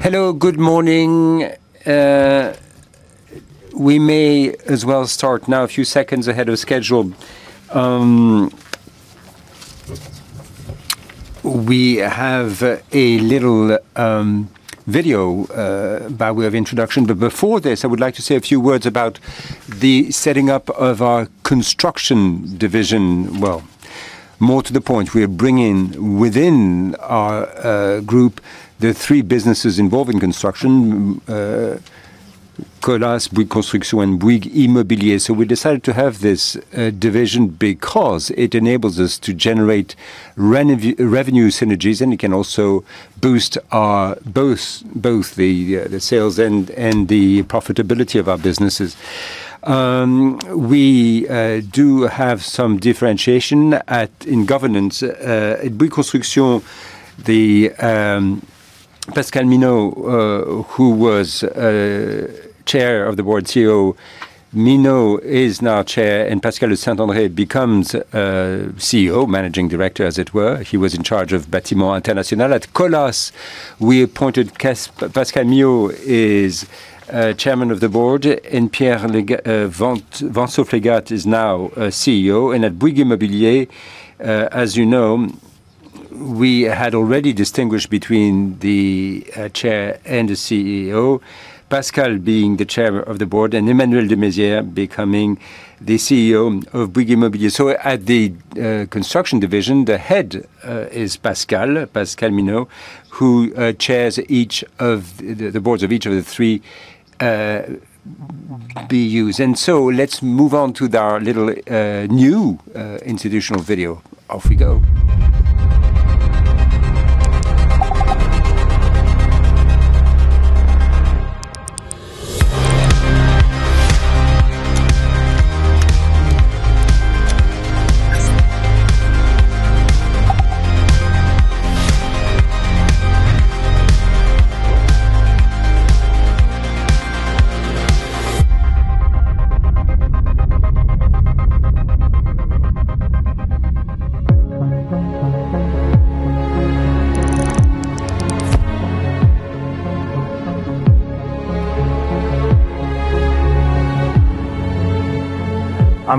Hello, good morning. We may as well start now, a few seconds ahead of schedule. We have a little video by way of introduction. Before this, I would like to say a few words about the setting up of our construction division. More to the point, we are bringing within our group the three businesses involved in construction, Colas, Bouygues Construction, and Bouygues Immobilier. We decided to have this division because it enables us to generate revenue synergies, and it can also boost our both the sales and the profitability of our businesses. We do have some differentiation in governance. At Bouygues Construction, Pascal Minault, who was Chair of the Board CEO, Minault is now Chair, and Pascal Le Saint-André becomes CEO, Managing Director, as it were. He was in charge of Bâtiments International. At Colas, we appointed Pascal Miot is Chairman of the Board, and Pierre Vanstoflegatte is now CEO. At Bouygues Immobilier, as you know, we had already distinguished between the Chair and the CEO, Pascal being the Chair of the Board, and Emmanuel Desmaizières becoming the CEO of Bouygues Immobilier. At the construction division, the head is Pascal Minault, who chairs each of the boards of each of the three BUs. Let's move on to our little new institutional video. Off we go.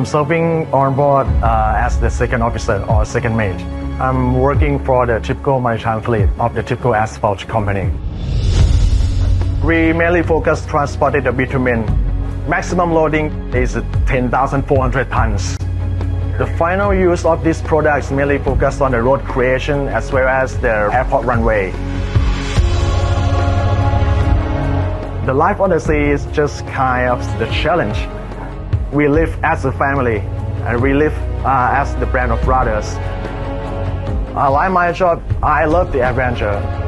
I'm serving on board, as the second officer or second mate. I'm working for the Tipco maritime fleet of the Tipco Asphalt Company. We mainly focus transported the bitumen. Maximum loading is 10,400 tons. The final use of this product is mainly focused on the road creation, as well as the airport runway. The life on the sea is just kind of the challenge. We live as a family, and we live, as the brand of brothers. I like my job. I love the adventure.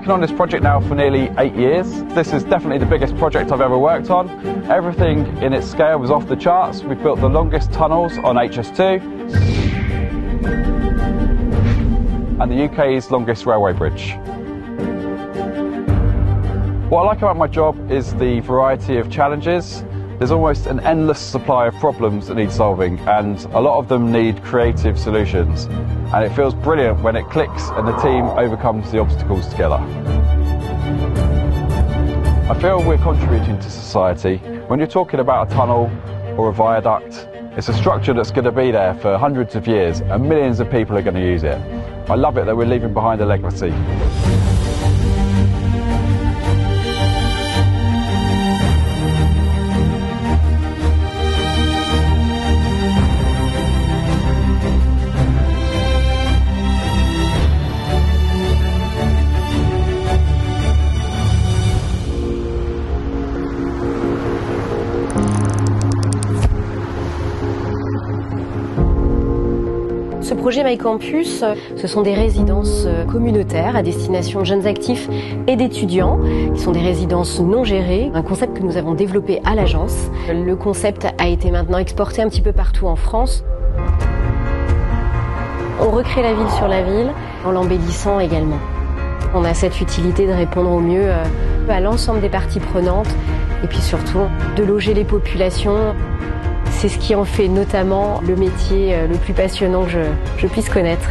I've been working on this project now for nearly eight years. This is definitely the biggest project I've ever worked on. Everything in its scale was off the charts. We've built the longest tunnels on HS2.. and the UK's longest railway bridge. What I like about my job is the variety of challenges. There's almost an endless supply of problems that need solving, and a lot of them need creative solutions, and it feels brilliant when it clicks and the team overcomes the obstacles together. I feel we're contributing to society. When you're talking about a tunnel or a viaduct, it's a structure that's gonna be there for hundreds of years, and millions of people are gonna use it. I love it that we're leaving behind a legacy. Ce projet, My Campus, ce sont des résidences communautaires à destination jeunes actifs et d'étudiants, qui sont des résidences non gérées, un concept que nous avons développé à l'agence. Le concept a été maintenant exporté un petit peu partout en France. On recrée la ville sur la ville en l'embellissant également. On a cette utilité de répondre au mieux, à l'ensemble des parties prenantes, et puis surtout, de loger les populations. C'est ce qui en fait notamment le métier, le plus passionnant je puisse connaître.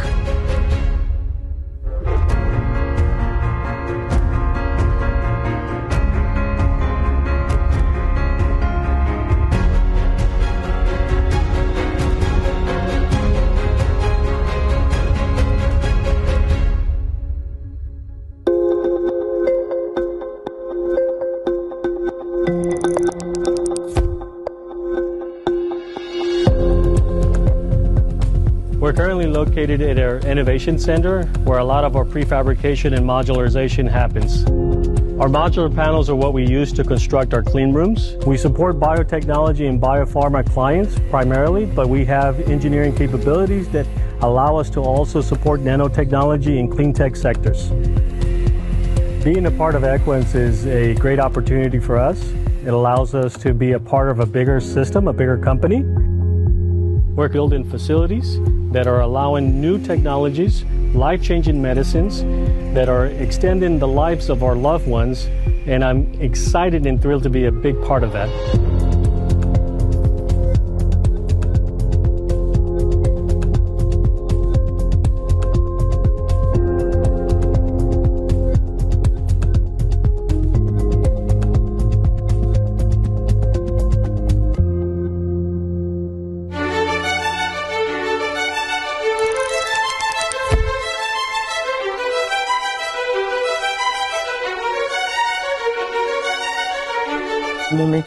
We're currently located at our innovation center, where a lot of our prefabrication and modularization happens. Our modular panels are what we use to construct our clean rooms. We support biotechnology and biopharma clients primarily, but we have engineering capabilities that allow us to also support nanotechnology and clean tech sectors. Being a part of Equans is a great opportunity for us. It allows us to be a part of a bigger system, a bigger company. We're building facilities that are allowing new technologies, life-changing medicines that are extending the lives of our loved ones, and I'm excited and thrilled to be a big part of that.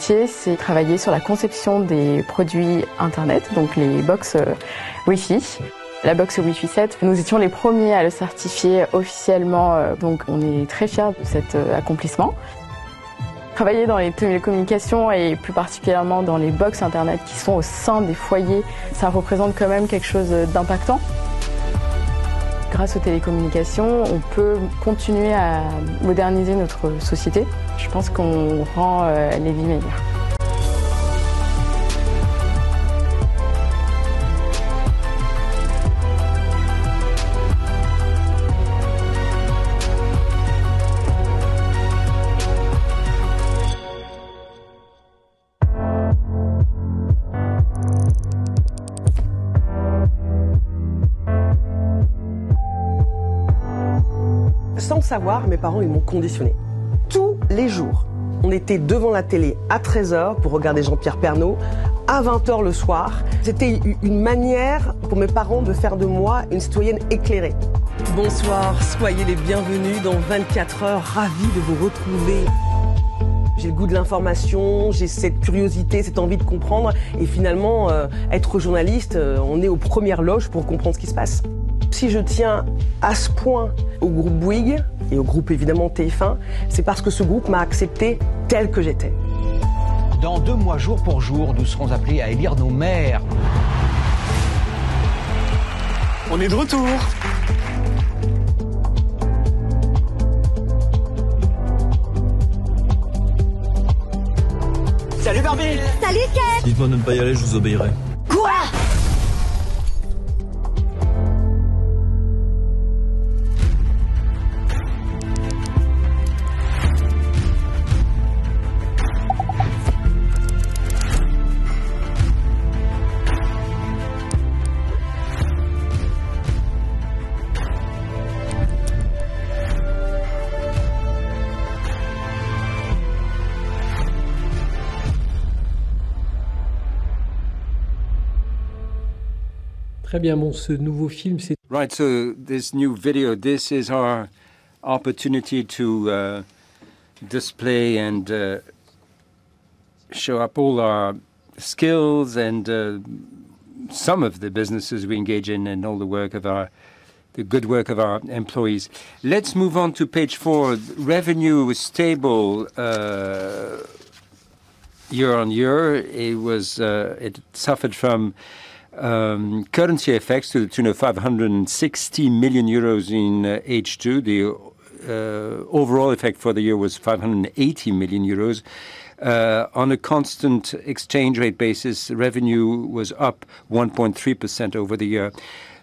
This new video, this is our opportunity to display and show up all our skills and some of the businesses we engage in and the good work of our employees. Let's move on to page 4. Revenue was stable year-on-year. It was it suffered from currency effects to the tune of 560 million euros in H2. The overall effect for the year was 580 million euros. On a constant exchange rate basis, revenue was up 1.3% over the year.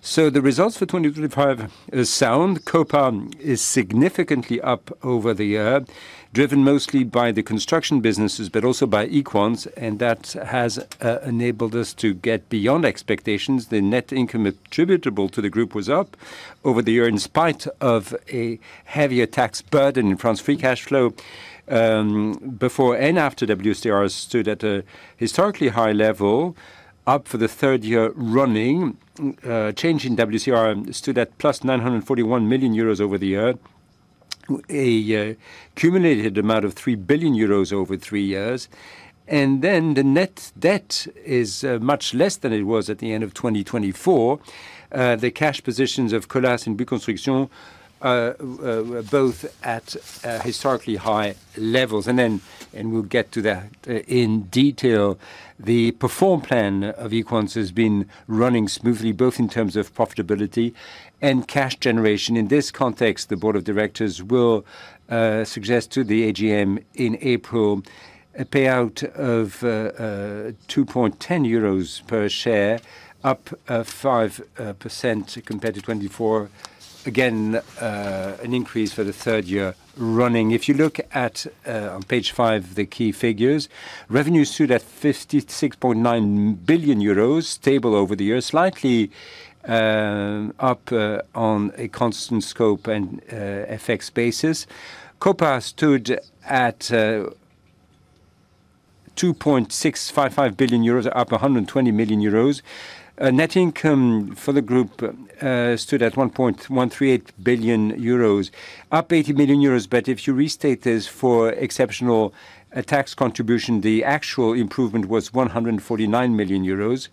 The results for 2025 are sound. COPA is significantly up over the year, driven mostly by the construction businesses, but also by Equans, and that has enabled us to get beyond expectations. The net income attributable to the group was up over the year, in spite of a heavier tax burden in France. Free cash flow, before and after WCR, stood at a historically high level, up for the third year running. Change in WCR stood at +941 million euros over the year, a cumulative amount of 3 billion euros over 3 years. The net debt is much less than it was at the end of 2024. The cash positions of Colas and Bouygues Construction were both at historically high levels. We'll get to that in detail. The Perform plan of Equans has been running smoothly, both in terms of profitability and cash generation. In this context, the board of directors will suggest to the AGM in April, a payout of 2.10 euros per share, up 5% compared to 2024. Again, an increase for the third year running. If you look at on page 5, the key figures, revenue stood at 56.9 billion euros, stable over the years, slightly up on a constant scope and effects basis. COPA stood at 2.655 billion euros, up 120 million euros. Net income for the group stood at 1.138 billion euros, up 80 million euros. If you restate this for exceptional tax contribution, the actual improvement was 149 million euros.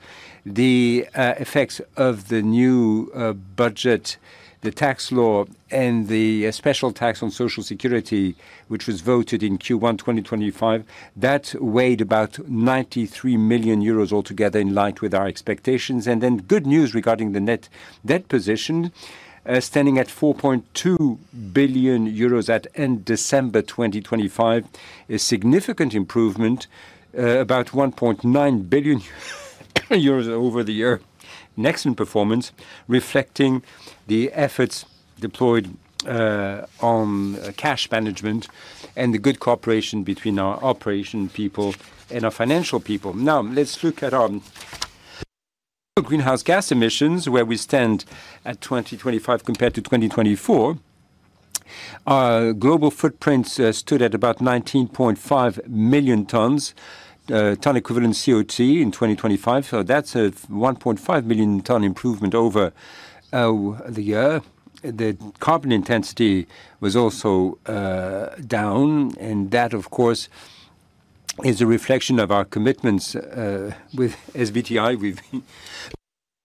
The effects of the new budget, the tax law, and the special tax on Social Security, which was voted in Q1 2025, that weighed about 93 million euros altogether, in line with our expectations. Good news regarding the net debt position, standing at 4.2 billion euros at end December 2025. A significant improvement, about 1.9 billion euros over the year. Next in performance, reflecting the efforts deployed on cash management and the good cooperation between our operation people and our financial people. Let's look at greenhouse gas emissions, where we stand at 2025 compared to 2024. Our global footprint stood at about 19.5 million tons, tonne equivalent CO2 in 2025. That's a 1.5 million tonne improvement over the year. The carbon intensity was also down, and that, of course, is a reflection of our commitments with SBTi.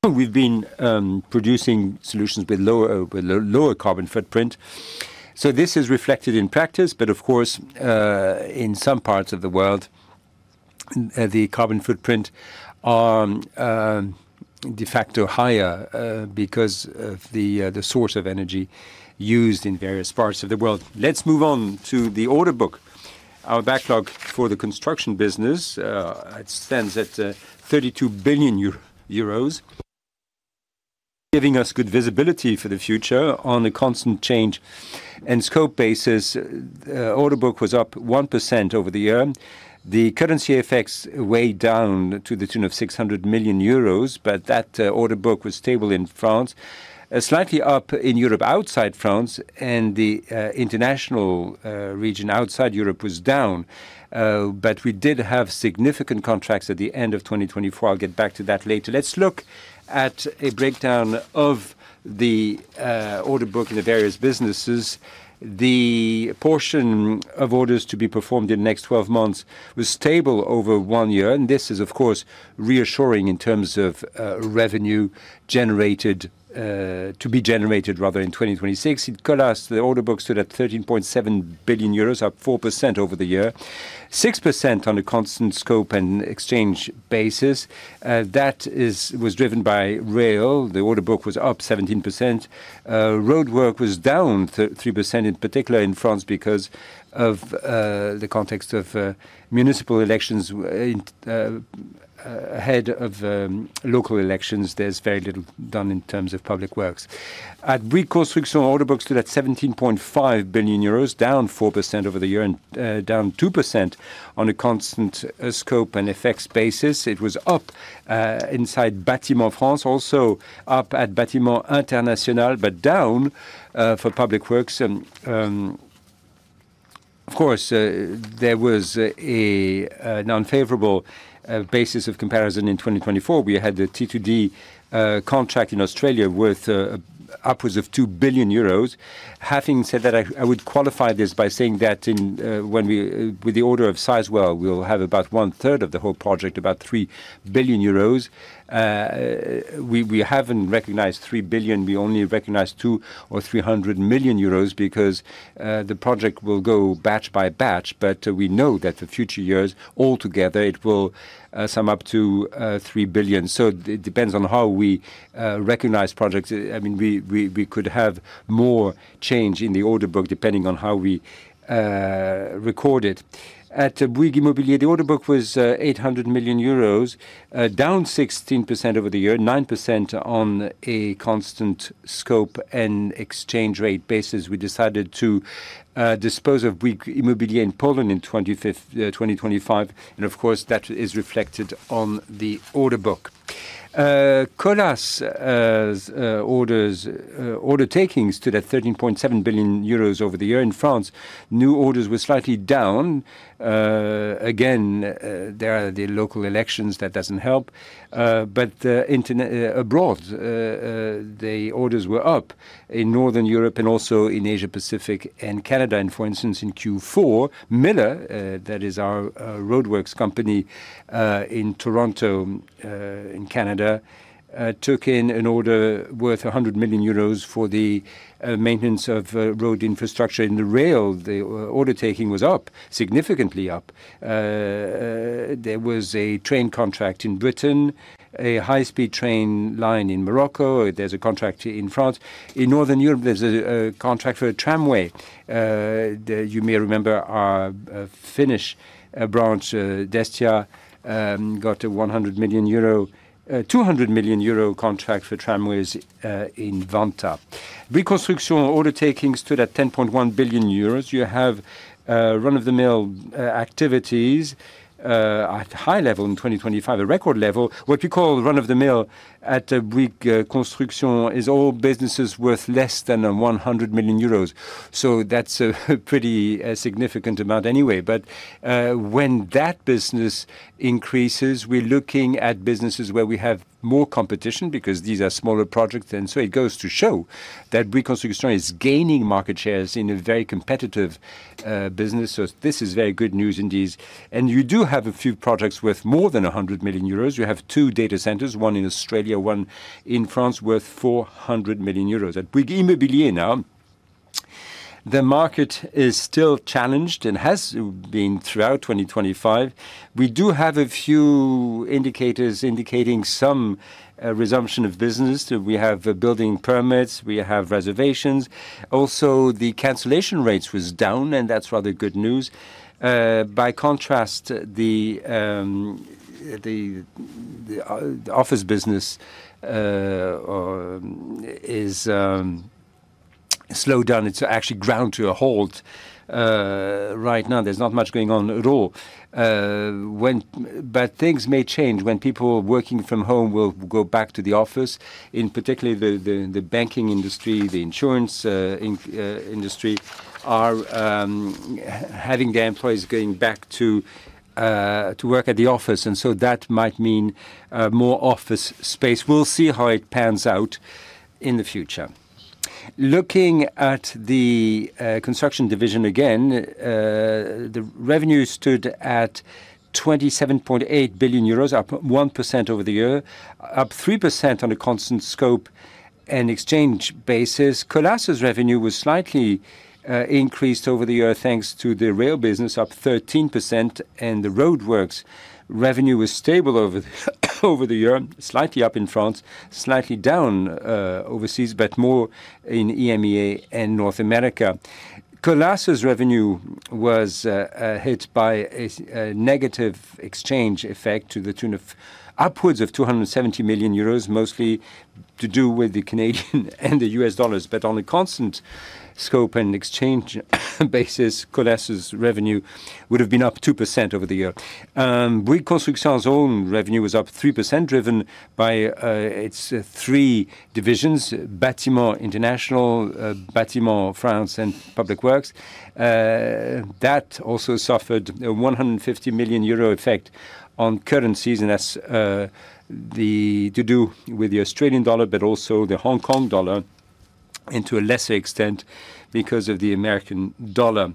We've been producing solutions with lower carbon footprint. This is reflected in practice, but of course, in some parts of the world, the carbon footprint are de facto higher because of the source of energy used in various parts of the world. Let's move on to the order book. Our backlog for the construction business, it stands at 32 billion euro, giving us good visibility for the future on a constant change. In scope basis, order book was up 1% over the year. The currency effects weighed down to the tune of 600 million euros, but that order book was stable in France. Slightly up in Europe, outside France, and the international region outside Europe was down, but we did have significant contracts at the end of 2024. I'll get back to that later. Let's look at a breakdown of the order book in the various businesses. The portion of orders to be performed in the next 12 months was stable over 1 year. This is, of course, reassuring in terms of revenue generated to be generated rather in 2026. In Colas, the order book stood at 13.7 billion euros, up 4% over the year, 6% on a constant scope and exchange basis. That was driven by rail. The order book was up 17%. Roadwork was down 3%, in particular in France, because of the context of municipal elections ahead of local elections. There's very little done in terms of public works. At Bouygues Construction, order book stood at 17.5 billion euros, down 4% over the year and down 2% on a constant scope and effects basis. It was up inside Bâtiment France, also up at Bâtiment International, but down for public works. Of course, there was an unfavorable basis of comparison in 2024. We had the T2D contract in Australia, worth upwards of 2 billion euros. Having said that, I would qualify this by saying that in when we—with the order of size, well, we'll have about one-third of the whole project, about 3 billion euros. We haven't recognized 3 billion, we only recognized 200 million or 300 million euros because the project will go batch by batch, but we know that the future years, all together, it will sum up to 3 billion. It depends on how we recognize projects. I mean, we could have more change in the order book, depending on how we record it. At Bouygues Immobilier, the order book was 800 million euros, down 16% over the year, 9% on a constant scope and exchange rate basis. We decided to dispose of Bouygues Immobilier in Poland in 2025. Of course, that is reflected on the order book. Colas order takings stood at 13.7 billion euros over the year. In France, new orders were slightly down. Again, there are the local elections, that doesn't help. Abroad, the orders were up in Northern Europe and also in Asia-Pacific and Canada. For instance, in Q4, Miller, that is our roadworks company in Toronto, in Canada, took in an order worth 100 million euros for the maintenance of road infrastructure. In the rail, the order taking was up, significantly up. There was a train contract in Britain, a high-speed train line in Morocco. There's a contract in France. In Northern Europe, there's a contract for a tramway. You may remember our Finnish branch, Destia, got a 100 million euro, 200 million euro contract for tramways in Vantaa. Reconstruction order taking stood at 10.1 billion euros. You have run-of-the-mill activities at high level in 2025, a record level. What we call run-of-the-mill at Bouygues Construction is all businesses worth less than 100 million euros. That's a pretty significant amount anyway. When that business increases, we're looking at businesses where we have more competition because these are smaller projects, it goes to show that reconstruction is gaining market shares in a very competitive business. This is very good news indeed. You do have a few projects worth more than 100 million euros. You have 2 data centers, one in Australia, one in France, worth 400 million euros. At Bouygues Immobilier. The market is still challenged and has been throughout 2025. We do have a few indicators indicating some resumption of business. We have building permits, we have reservations. Also, the cancellation rates was down, and that's rather good news. By contrast, the office business is slowed down. It's actually ground to a halt. Right now, there's not much going on at all. Things may change when people working from home will go back to the office. In particular, the banking industry, the insurance industry, are having their employees going back to work at the office, that might mean more office space. We'll see how it pans out in the future. Looking at the construction division again, the revenue stood at 27.8 billion euros, up 1% over the year, up 3% on a constant scope and exchange basis. Colas' revenue was slightly increased over the year, thanks to the rail business, up 13%, and the roadworks revenue was stable over the year. Slightly up in France, slightly down overseas, but more in EMEA and North America. Colas' revenue was hit by a negative exchange effect to the tune of upwards of 270 million euros, mostly to do with the Canadian and the U.S. dollars. On a constant scope and exchange basis, Colas' revenue would have been up 2% over the year. Bouygues Construction's own revenue was up 3%, driven by its three divisions: Bouygues Bâtiment International, Bouygues Bâtiment France, and Public Works. That also suffered a 150 million euro effect on currencies, and that's to do with the Australian dollar, but also the Hong Kong dollar, and to a lesser extent, because of the U.S. dollar.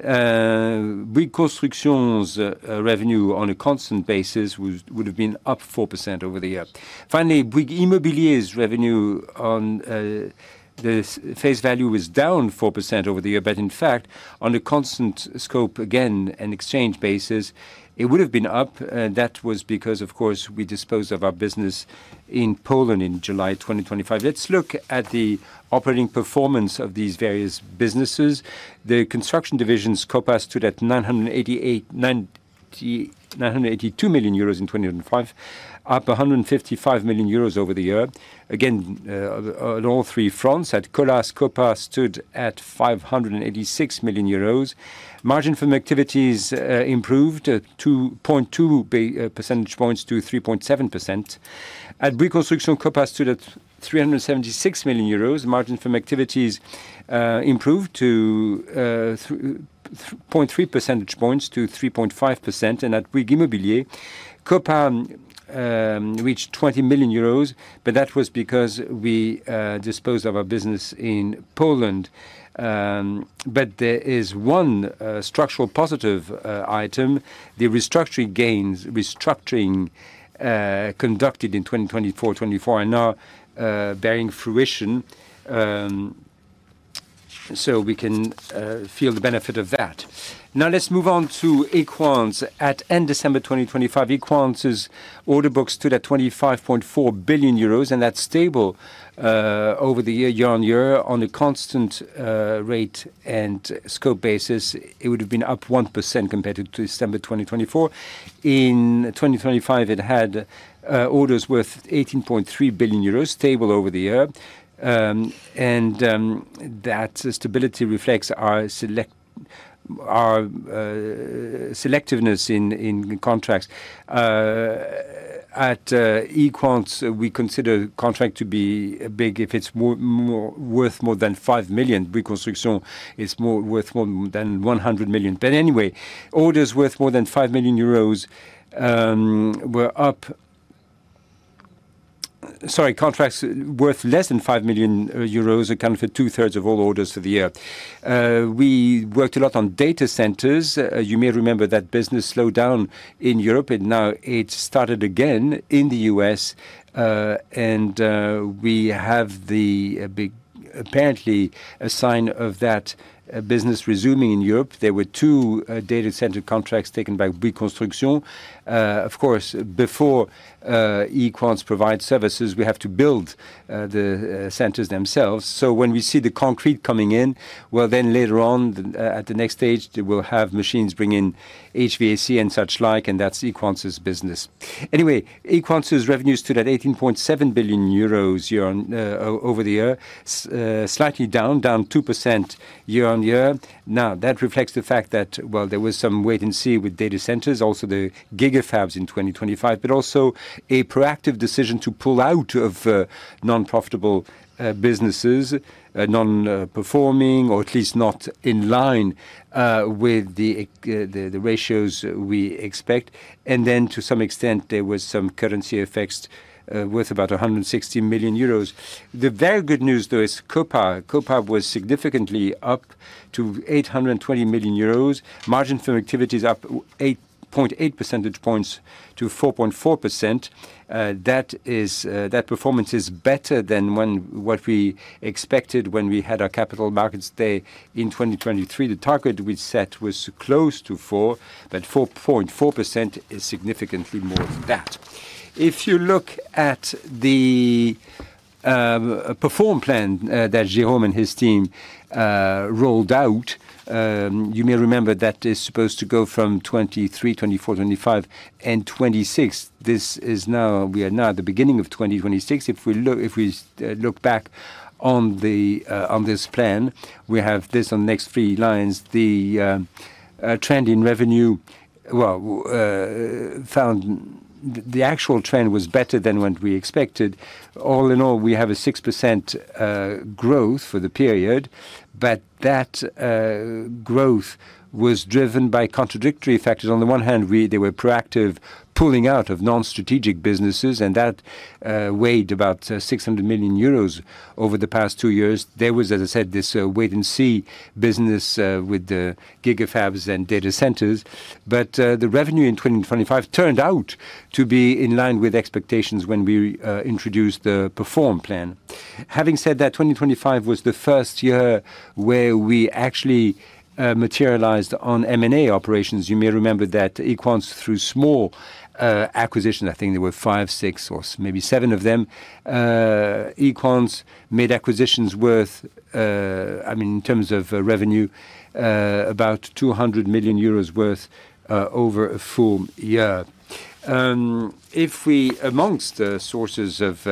Bouygues Construction's revenue on a constant basis would have been up 4% over the year. Finally, Bouygues Immobilier's revenue on the face value was down 4% over the year. In fact, on a constant scope again and exchange basis, it would have been up, and that was because, of course, we disposed of our business in Poland in July 2025. Let's look at the operating performance of these various businesses. The construction division's COPA stood at 982 million euros in 2005, up 155 million euros over the year. Again, in all three, France at Colas, COPA stood at 586 million euros. Margin from activities improved 2.2 percentage points to 3.7%. At Bouygues Construction, COPA stood at 376 million euros. Margin from activities improved to 0.3 percentage points to 3.5%. At Bouygues Immobilier, COPA reached 20 million euros, but that was because we disposed of our business in Poland. There is one structural positive item, the restructuring gains, restructuring conducted in 2024 are now bearing fruition. We can feel the benefit of that. Now, let's move on to Equans. At end December 2025, Equans' order book stood at 25.4 billion euros, and that's stable over the year-over-year. On a constant rate and scope basis, it would have been up 1% compared to December 2024. In 2025, it had orders worth 18.3 billion euros, stable over the year, and that stability reflects our selectiveness in contracts. At Equans, we consider a contract to be big if it's worth more than 5 million. Bouygues Construction is worth more than 100 million. Anyway, orders worth more than 5 million euros were up—sorry, contracts worth less than 5 million euros accounted for two-thirds of all orders for the year. We worked a lot on data centers. You may remember that business slowed down in Europe, and now it's started again in the U.S. We have the big, apparently a sign of that, business resuming in Europe. There were two data center contracts taken by Bouygues Construction. Of course, before Equans provide services, we have to build the centers themselves. When we see the concrete coming in, well, then later on, at the next stage, they will have machines bring in HVAC and such like, and that's Equans' business. Anyway, Equans' revenue stood at 18.7 billion euros over the year. Slightly down 2% year-on-year. That reflects the fact that, well, there was some wait and see with data centers, also the GigaFabs in 2025, but also a proactive decision to pull out of non-profitable businesses, non-performing, or at least not in line with the ratios we expect. To some extent, there was some currency effects, worth about 160 million euros. The very good news, though, is COPA was significantly up to 820 million euros. Margin from activities up 0.8 percentage points to 4.4%. That is, that performance is better than what we expected when we had our Capital Markets Day in 2023. The target we set was close to 4, but 4.4% is significantly more than that. If you look at the Perform plan that Jerome and his team rolled out, you may remember that is supposed to go from 2023, 2024, 2025 and 2026. This is now, we are now at the beginning of 2026. If we look back on the on this plan, we have this on the next three lines. The trend in revenue, well, found the actual trend was better than what we expected. All in all, we have a 6% growth for the period, that growth was driven by contradictory factors. On the one hand, they were proactive, pulling out of non-strategic businesses, that weighed about 600 million euros over the past two years. There was, as I said, this wait and see business with the GigaFabs and data centers. The revenue in 2025 turned out to be in line with expectations when we introduced the Perform plan. Having said that, 2025 was the first year where we actually materialized on M&A operations. You may remember that Equans, through small acquisition, I think there were five, six, or maybe seven of them, Equans made acquisitions worth, I mean, in terms of revenue, about 200 million euros worth over a full year. If we amongst the sources of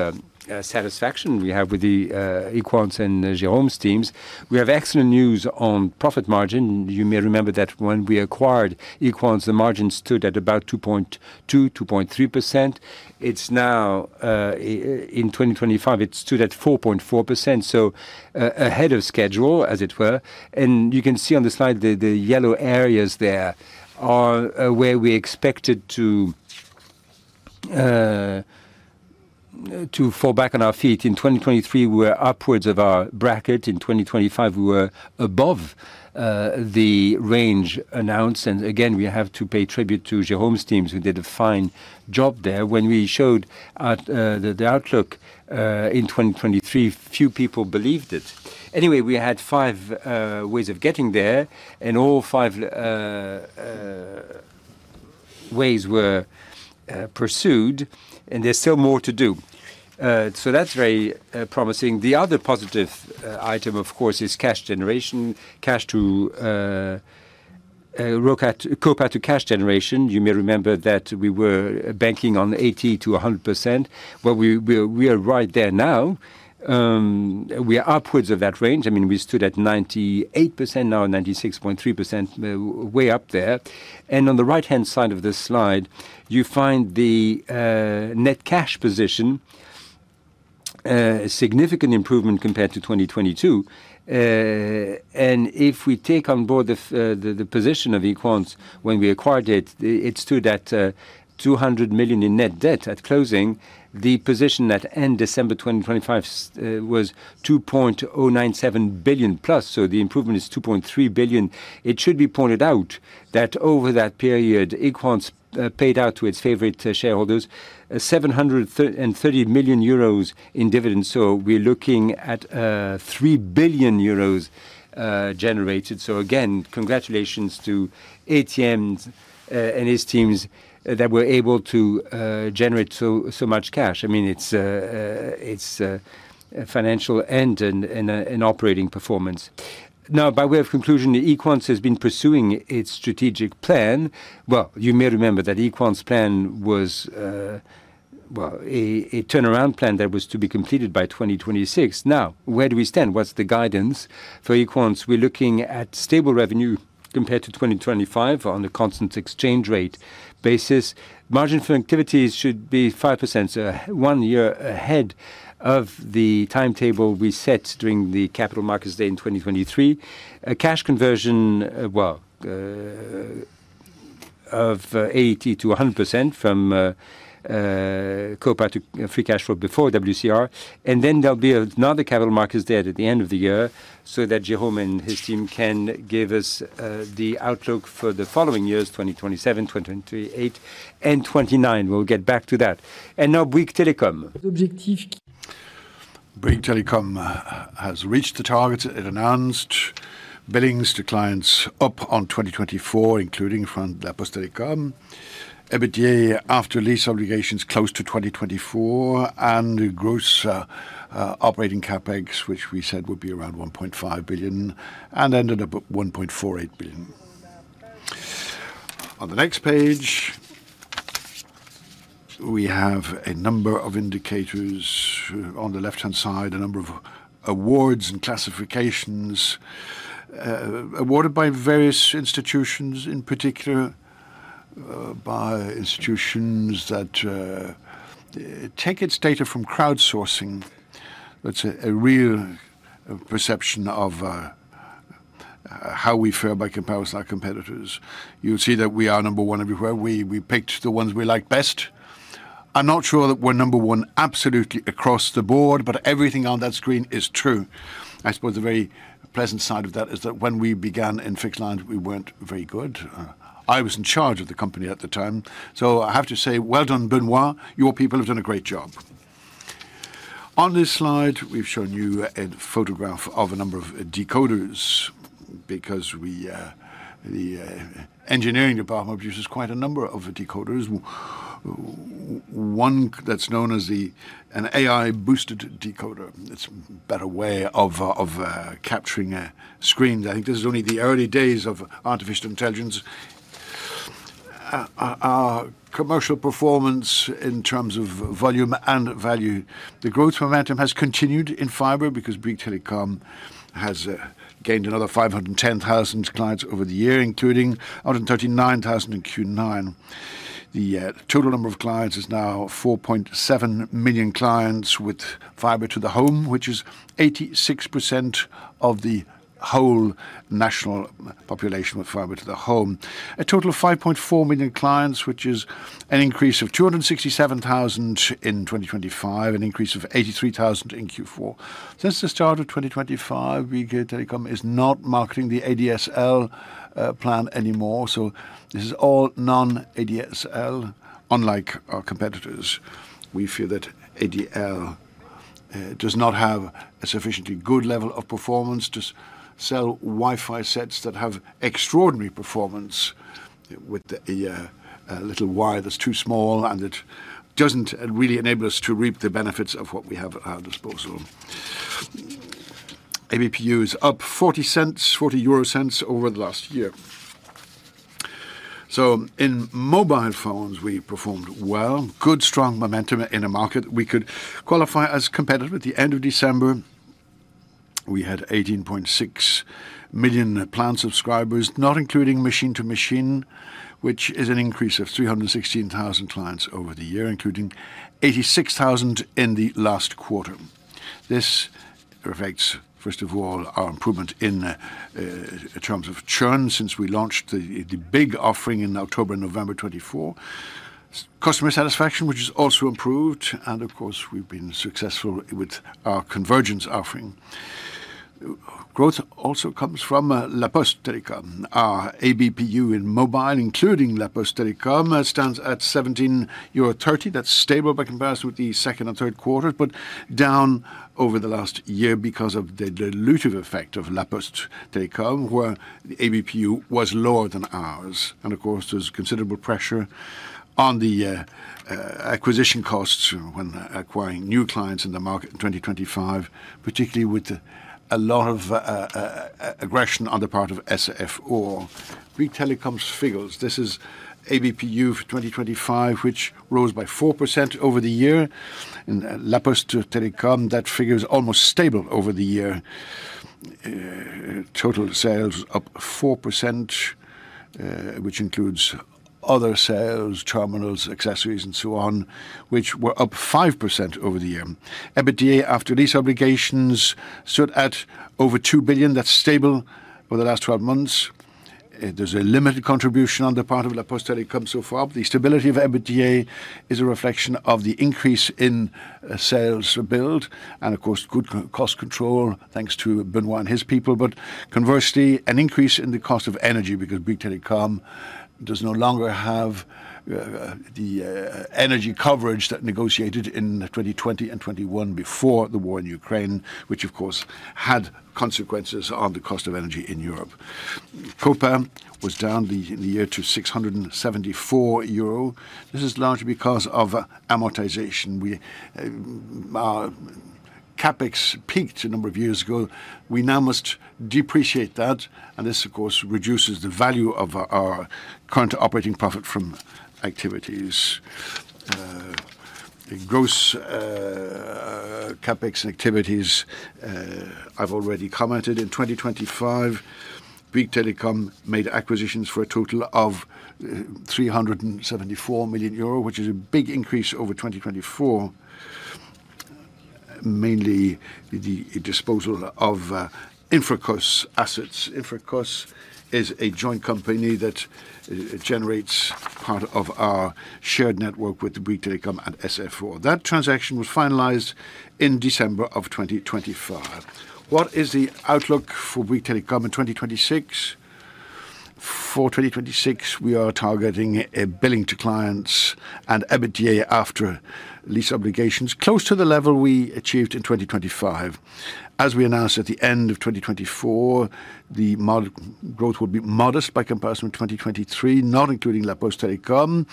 satisfaction we have with the Equans and Jerome's teams, we have excellent news on profit margin. You may remember that when we acquired Equans, the margin stood at about 2.2%, 2.3%. It's now in 2025, it stood at 4.4%, ahead of schedule, as it were. You can see on the slide, the yellow areas there are where we expected to fall back on our feet. In 2023, we were upwards of our bracket. In 2025, we were above the range announced. Again, we have to pay tribute to Jerome's teams, who did a fine job there. When we showed at the outlook in 2023, few people believed it. We had 5 ways of getting there, and all five ways were pursued, and there's still more to do. That's very promising. The other positive item, of course, is cash generation. Cash to COPA to cash generation. You may remember that we were banking on 80% to 100%. Well, we are right there now. We are upwards of that range. I mean, we stood at 98%, now 96.3%, way up there. On the right-hand side of this slide, you find the net cash position, significant improvement compared to 2022. If we take on board the position of Equans when we acquired it stood at 200 million in net debt at closing. The position at end December 2025 was 2.097 billion plus, the improvement is 2.3 billion. It should be pointed out that over that period, Equans paid out to its favorite shareholders 730 million euros in dividends. We're looking at 3 billion euros generated. Again, congratulations to ATM and his teams that were able to generate so much cash. I mean, it's a financial and an operating performance. By way of conclusion, Equans has been pursuing its strategic plan. Well, you may remember that Equans' plan was a turnaround plan that was to be completed by 2026. Where do we stand? What's the guidance for Equans? We're looking at stable revenue compared to 2025 on a constant exchange rate basis. Margin for activities should be 5%, so one year ahead of the timetable we set during the Capital Markets Day in 2023. A cash conversion, well, of 80%-100% from corporate to, you know, free cash flow before WCR. Then there'll be another Capital Markets Day at the end of the year so that Jerome and his team can give us the outlook for the following years, 2027, 2028, and 2029. We'll get back to that. Now, Bouygues Telecom. Bouygues Telecom has reached the targets it announced. Billings to clients up on 2024, including from La Poste Telecom. EBITDA after lease obligations, close to 2024, and the gross operating CapEx, which we said would be around 1.5 billion and ended up at 1.48 billion. On the next page, we have a number of indicators. On the left-hand side, a number of awards and classifications awarded by various institutions, in particular, by institutions that take its data from crowdsourcing. That's a real perception of how we fare by comparison to our competitors. You'll see that we are number one everywhere. We picked the ones we like best. I'm not sure that we're number one absolutely across the board, but everything on that screen is true. I suppose the very pleasant side of that is that when we began in fixed line, we weren't very good. I was in charge of the company at the time, I have to say, well done, Benoit, your people have done a great job. On this slide, we've shown you a photograph of a number of decoders because we, the engineering department uses quite a number of decoders. One that's known as an AI-boosted decoder. It's a better way of, capturing screens. I think this is only the early days of artificial intelligence. Our commercial performance in terms of volume and value, the growth momentum has continued in fiber because Bouygues Telecom has gained another 510,000 clients over the year, including 139,000 in Q9. The total number of clients is now 4.7 million clients with Fiber to the Home, which is 86% of the whole national population with Fiber to the Home. A total of 5.4 million clients, which is an increase of 267,000 in 2025, an increase of 83,000 in Q4. Since the start of 2025, Bouygues Telecom is not marketing the ADSL plan anymore, so this is all non-ADSL, unlike our competitors. We feel that ADSL does not have a sufficiently good level of performance to sell Wi-Fi sets that have extraordinary performance with a little wire that's too small, and it doesn't really enable us to reap the benefits of what we have at our disposal. ABPU is up 0.40 over the last year. In mobile phones, we performed well. Good, strong momentum in a market we could qualify as competitive. At the end of December, we had 18.6 million plan subscribers, not including Machine-to-Machine, which is an increase of 316,000 clients over the year, including 86,000 in the last quarter. This reflects, first of all, our improvement in terms of churn since we launched the big offering in October, November 2024. Customer satisfaction, which has also improved, of course, we've been successful with our convergence offering. Growth also comes from La Poste Telecom. Our ABPU in mobile, including La Poste Telecom, stands at 17.30 euro. That's stable by comparison with the second and third quarters, down over the last year because of the dilutive effect of La Poste Telecom, where the ABPU was lower than ours. Of course, there's considerable pressure on the acquisition costs when acquiring new clients in the market in 2025, particularly with a lot of aggression on the part of SFR or Bouygues Telecom's figures. This is ABPU for 2025, which rose by 4% over the year. In La Poste Telecom, that figure is almost stable over the year. Total sales up 4%, which includes other sales, terminals, accessories, and so on, which were up 5% over the year. EBITDA after these obligations stood at over 2 billion. That's stable over the last 12 months. There's a limited contribution on the part of La Poste Telecom so far. The stability of EBITDA is a reflection of the increase in sales rebuild, and of course, good co-cost control, thanks to Benoit and his people. Conversely, an increase in the cost of energy because Bouygues Telecom does no longer have the energy coverage that negotiated in 2020 and 2021 before the war in Ukraine, which of course, had consequences on the cost of energy in Europe. COPA was down the year to 674 euro. This is largely because of amortization. We our CapEx peaked a number of years ago. This, of course, reduces the value of our Current Operating Profit from Activities. Gross CapEx activities, I've already commented. In 2025, Bouygues Telecom made acquisitions for a total of 374 million euro, which is a big increase over 2024. Mainly the disposal of Infracos assets. Infracos is a joint company that generates part of our shared network with the Bouygues Telecom and SFR. That transaction was finalized in December 2025. What is the outlook for Bouygues Telecom in 2026? For 2026, we are targeting a billing to clients and EBITDA after lease obligations, close to the level we achieved in 2025. As we announced at the end of 2024, the growth would be modest by comparison with 2023, not including La Poste Telecom.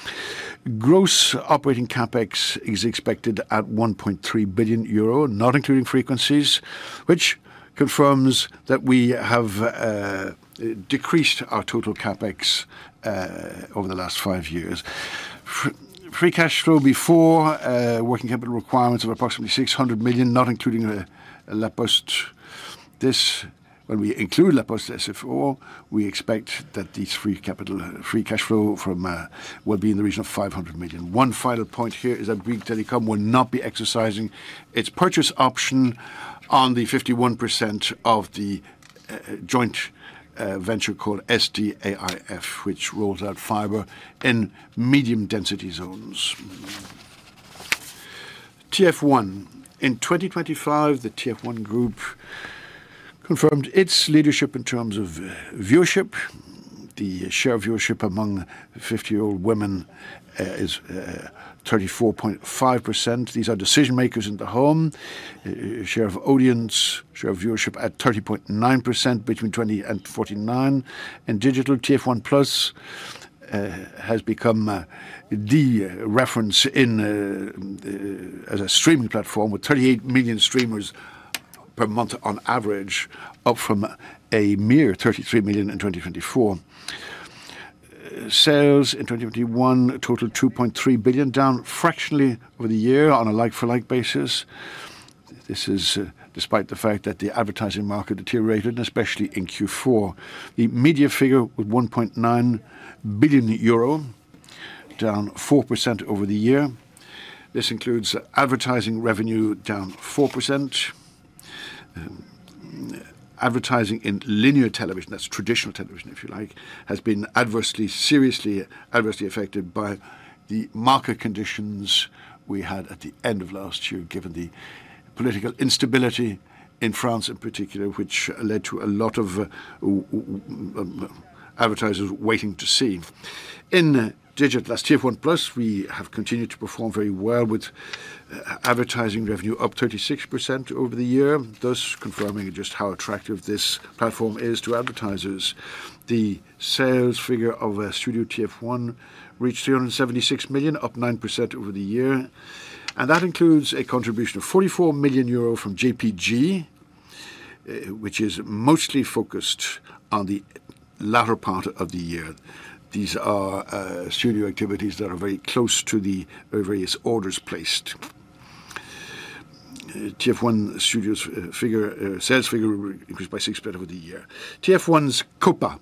Gross operating CapEx is expected at 1.3 billion euro, not including frequencies, which confirms that we have decreased our total CapEx over the last five years. Free cash flow before working capital requirements of approximately 600 million, not including La Poste. This, when we include La Poste SFR, we expect that the free capital, free cash flow from will be in the region of 500 million. One final point here is that Bouygues Telecom will not be exercising its purchase option on the 51% of the joint venture called SDAIF, which rolls out fiber in medium-density zones. TF1. In 2025, the TF1 Group confirmed its leadership in terms of viewership. The share of viewership among 50-year-old women is 34.5%. These are decision-makers in the home. Share of audience, share of viewership at 30.9% between 20 and 49. In digital, TF1+ has become the reference in as a streaming platform, with 38 million streamers per month on average, up from a mere 33 million in 2024. Sales in 2021 totaled 2.3 billion, down fractionally over the year on a like-for-like basis. This is despite the fact that the advertising market deteriorated, especially in Q4. The media figure, with 1.9 billion euro, down 4% over the year. This includes advertising revenue, down 4%. Advertising in linear television, that's traditional television, if you like, has been adversely, seriously adversely affected by the market conditions we had at the end of last year, given the political instability in France in particular, which led to a lot of advertisers waiting to see. In digital, as TF1+, we have continued to perform very well, with advertising revenue up 36% over the year, thus confirming just how attractive this platform is to advertisers. The sales figure of Studio TF1 reached 376 million, up 9% over the year, and that includes a contribution of 44 million euro from JPG, which is mostly focused on the latter part of the year. These are studio activities that are very close to the various orders placed. TF1 Studios, figure, sales figure increased by 6% over the year. TF1's COPA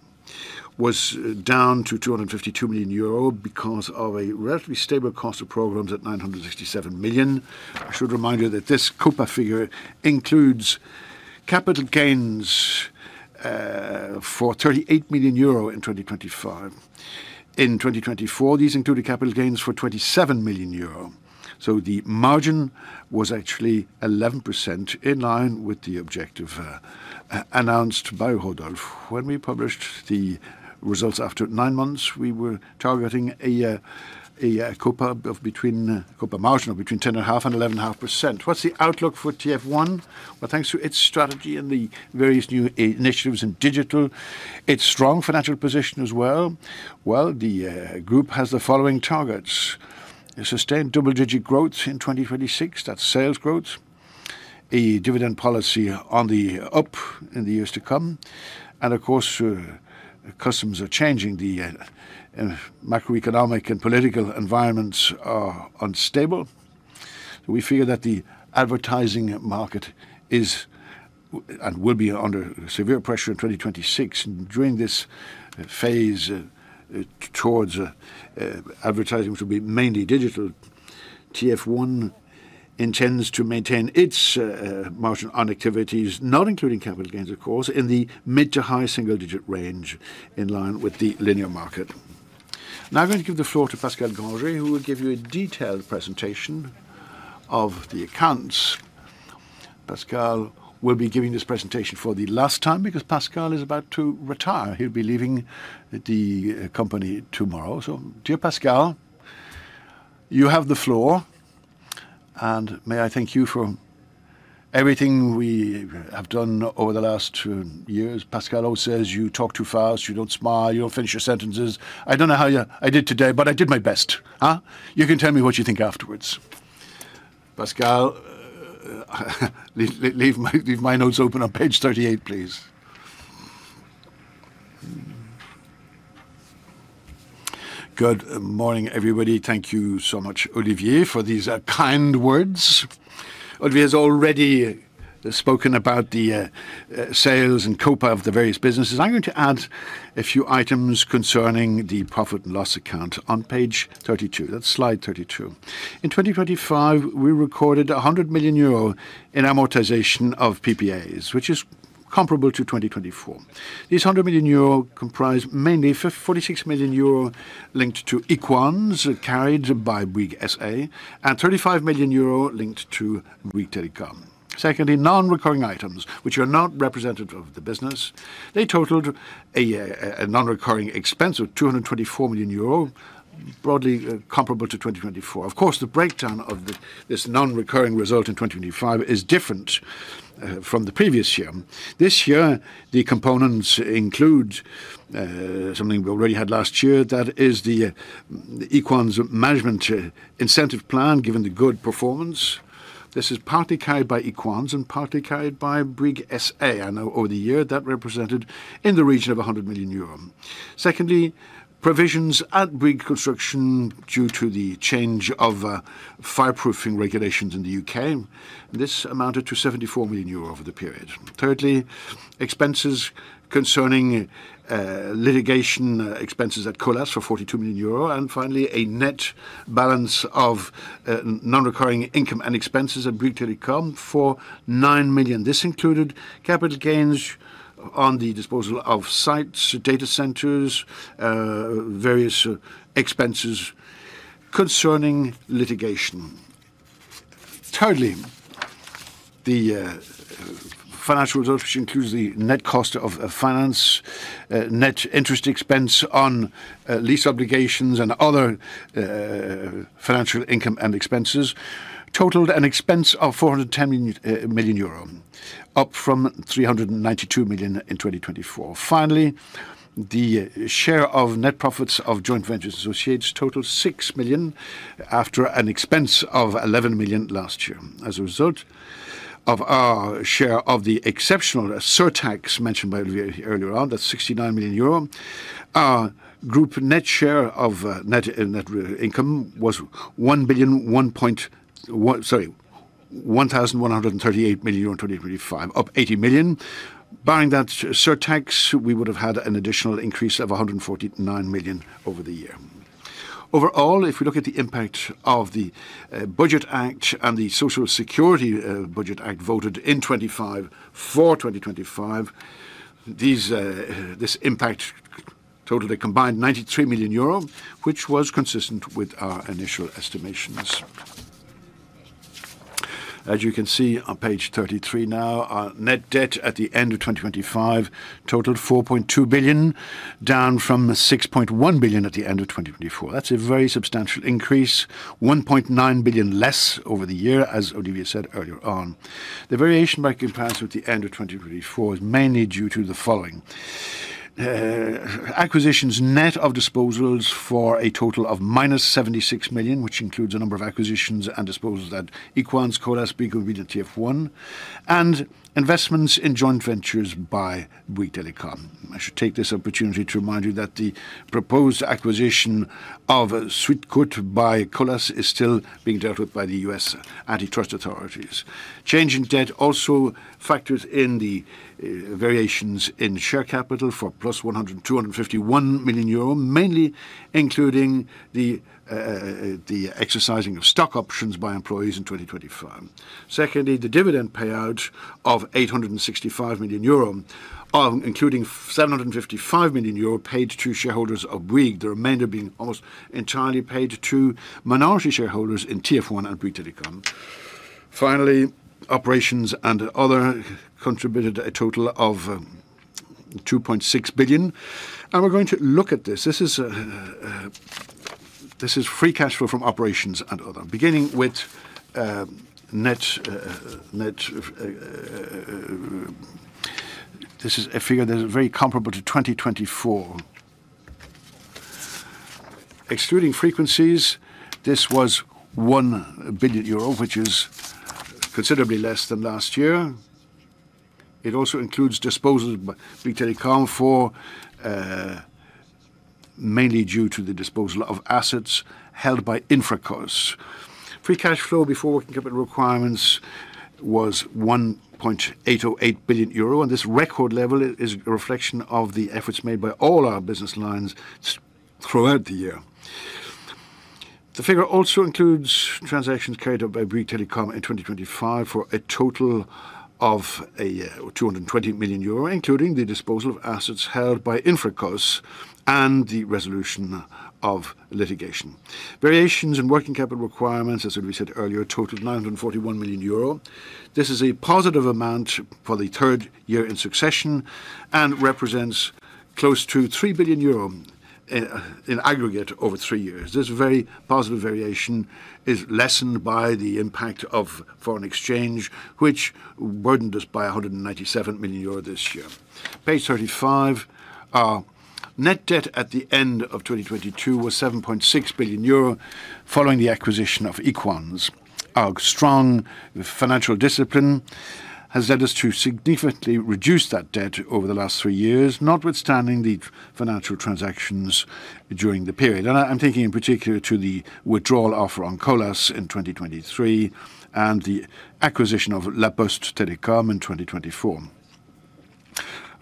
was down to 252 million euro because of a relatively stable cost of programs at 967 million. I should remind you that this COPA figure includes capital gains for 38 million euro in 2025. In 2024, these included capital gains for 27 million euro. The margin was actually 11%, in line with the objective announced by Rodolphe. When we published the results after nine months, we were targeting a COPA of between COPA margin of between 10.5% and 11.5%. What's the outlook for TF1? Thanks to its strategy and the various new initiatives in digital, its strong financial position as well, the group has the following targets: a sustained double-digit growth in 2026, that's sales growth, a dividend policy on the up in the years to come, of course, customs are changing, the macroeconomic and political environments are unstable. We feel that the advertising market is and will be under severe pressure in 2026. During this phase towards advertising, which will be mainly digital, TF1 intends to maintain its margin on activities, not including capital gains, of course, in the mid to high single digit range, in line with the linear market. I'm going to give the floor to Pascal Grangé, who will give you a detailed presentation of the accounts. Pascal will be giving this presentation for the last time because Pascal is about to retire. He'll be leaving the company tomorrow. Dear Pascal, you have the floor, and may I thank you for everything we have done over the last two years. Pascal always says, "You talk too fast, you don't smile, you don't finish your sentences." I don't know how I did today, but I did my best. Huh? You can tell me what you think afterwards. Pascal, leave my notes open on page 38, please. Good morning, everybody. Thank you so much, Olivier, for these kind words. Olivier has already spoken about the sales and COPA of the various businesses. I'm going to add a few items concerning the profit and loss account on page 32. That's slide 32. In 2025, we recorded 100 million euro in amortization of PPAs, which is comparable to 2024. This 100 million euro comprised mainly 46 million euro linked to Equans, carried by Bouygues S.A., and 35 million euro linked to Bouygues Telecom. Non-recurring items, which are not representative of the business. They totaled a non-recurring expense of 224 million euro, broadly comparable to 2024. The breakdown of this non-recurring result in 2025 is different from the previous year. This year, the components include something we already had last year. That is the Equans' management incentive plan, given the good performance. This is partly carried by Equans and partly carried by Bouygues S.A. I know over the year that represented in the region of 100 million euro. Secondly, provisions at Bouygues Construction due to the change of fireproofing regulations in the UK. This amounted to 74 million euro over the period. Thirdly, expenses concerning litigation expenses at Colas for 42 million euro. Finally, a net balance of non-recurring income and expenses at Bouygues Telecom for 9 million. This included capital gains on the disposal of sites, data centers, various expenses concerning litigation. Thirdly, the financial results, which includes the net cost of finance, net interest expense on lease obligations and other financial income and expenses, totaled an expense of 410 million euro, up from 392 million in 2024. Finally, the share of net profits of joint ventures associates totaled 6 million, after an expense of 11 million last year. As a result of our share of the exceptional surtax mentioned by Olivier earlier on, that's 69 million euro. Our group net share of income was 1,138 million euro in 2025, up 80 million. Barring that surtax, we would have had an additional increase of 149 million over the year. Overall, if we look at the impact of the Budget Act and the Social Security Budget Act, voted in 2025 for 2025, this impact totaled a combined 93 million euro, which was consistent with our initial estimations. As you can see on page 33 now, our net debt at the end of 2025 totaled 4.2 billion, down from 6.1 billion at the end of 2024. That's a very substantial increase, 1.9 billion less over the year, as Olivier said earlier on. The variation by comparison with the end of 2024 is mainly due to the following: acquisitions net of disposals for a total of -76 million, which includes a number of acquisitions and disposals at Equans, Colas, Bouygues, TF1, and investments in joint ventures by Bouygues Telecom. I should take this opportunity to remind you that the proposed acquisition of Suit-Kote by Colas is still being dealt with by the U.S. antitrust authorities. Change in debt also factors in the variations in share capital for +100 and 251 million euro, mainly including the exercising of stock options by employees in 2025. Secondly, the dividend payout of 865 million euro, including 755 million euro paid to shareholders of Bouygues, the remainder being almost entirely paid to minority shareholders in TF1 and Bouygues Telecom. Finally, operations and other contributed a total of 2.6 billion EUR. We're going to look at this. This is free cash flow from operations and other. Beginning with net. This is a figure that is very comparable to 2024. Excluding frequencies, this was 1 billion euro, which is considerably less than last year. It also includes disposals by Bouygues Telecom for mainly due to the disposal of assets held by Infracos. Free cash flow before working capital requirements was 1.808 billion euro. This record level is a reflection of the efforts made by all our business lines throughout the year. The figure also includes transactions carried out by Bouygues Telecom in 2025, for a total of 220 million euro, including the disposal of assets held by Infracos and the resolution of litigation. Variations in working capital requirements, as Olivier said earlier, totaled 941 million euro. This is a positive amount for the third year in succession and represents close to 3 billion euro in aggregate over three years. This very positive variation is lessened by the impact of foreign exchange, which burdened us by 197 million euro this year. Page 35. Our net debt at the end of 2022 was 7.6 billion euro, following the acquisition of Equans. Our strong financial discipline has led us to significantly reduce that debt over the last three years, notwithstanding the financial transactions during the period. I am thinking in particular to the withdrawal offer on Colas in 2023 and the acquisition of La Poste Telecom in 2024.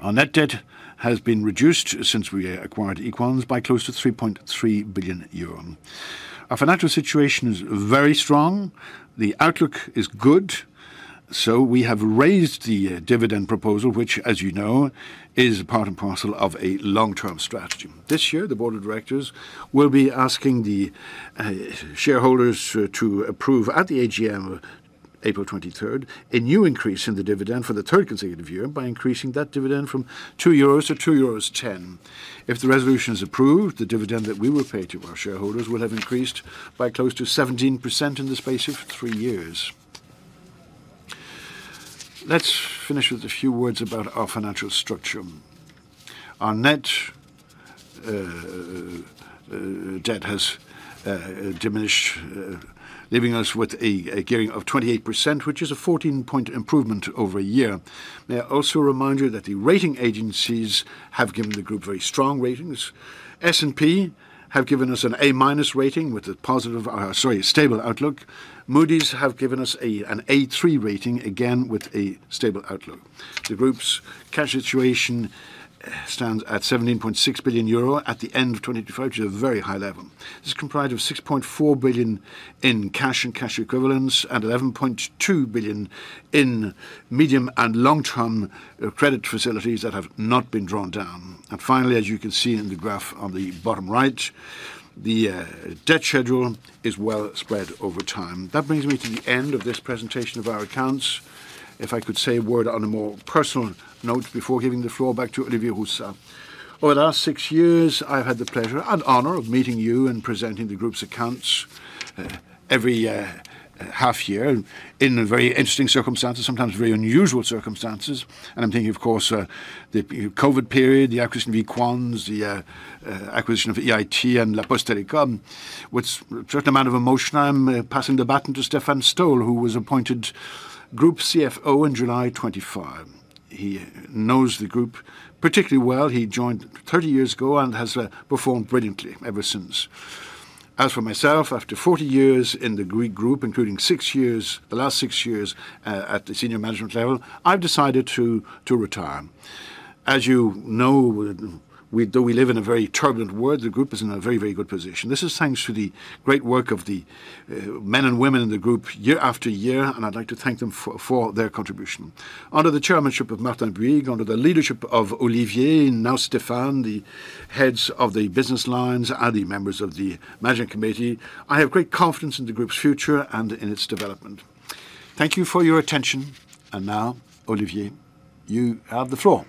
Our net debt has been reduced since we acquired Equans by close to 3.3 billion euro. Our financial situation is very strong. The outlook is good. We have raised the dividend proposal, which, as you know, is part and parcel of a long-term strategy. This year, the board of directors will be asking the shareholders to approve at the AGM, April 2third, a new increase in the dividend for the third consecutive year by increasing that dividend from 2 euros to 2.10 euros. If the resolution is approved, the dividend that we will pay to our shareholders will have increased by close to 17% in the space of three years. Let's finish with a few words about our financial structure. Our net debt has diminish, leaving us with a gearing of 28%, which is a 14-point improvement over a year. May I also remind you that the rating agencies have given the group very strong ratings. S&P have given us an A-minus rating with a positive, stable outlook. Moody's have given us an A3 rating, again, with a stable outlook. The group's cash situation stands at 17.6 billion euro at the end of 2025, which is a very high level. This is comprised of 6.4 billion in cash and cash equivalents and 11.2 billion in medium and long-term credit facilities that have not been drawn down. Finally, as you can see in the graph on the bottom right, the debt schedule is well spread over time. That brings me to the end of this presentation of our accounts. If I could say a word on a more personal note before giving the floor back to Olivier Roussat. Over the last six years, I've had the pleasure and honor of meeting you and presenting the group's accounts every half year in very interesting circumstances, sometimes very unusual circumstances. I'm thinking, of course, the COVID period, the acquisition of Equans, the acquisition of EIT and La Poste Telecom. With a certain amount of emotion, I'm passing the baton to Stéphane Stoll, who was appointed Group CFO in July 2025. He knows the group particularly well. He joined 30 years ago and has performed brilliantly ever since. As for myself, after 40 years in the Greek group, including six years, the last six years, at the senior management level, I've decided to retire. As you know, though we live in a very turbulent world, the Group is in a very, very good position. This is thanks to the great work of the men and women in the Group year after year, and I'd like to thank them for their contribution. Under the chairmanship of Martin Bouygues, under the leadership of Olivier, and now Stéphane, the heads of the business lines and the members of the management committee, I have great confidence in the Group's future and in its development. Thank you for your attention. Now, Olivier, you have the floor.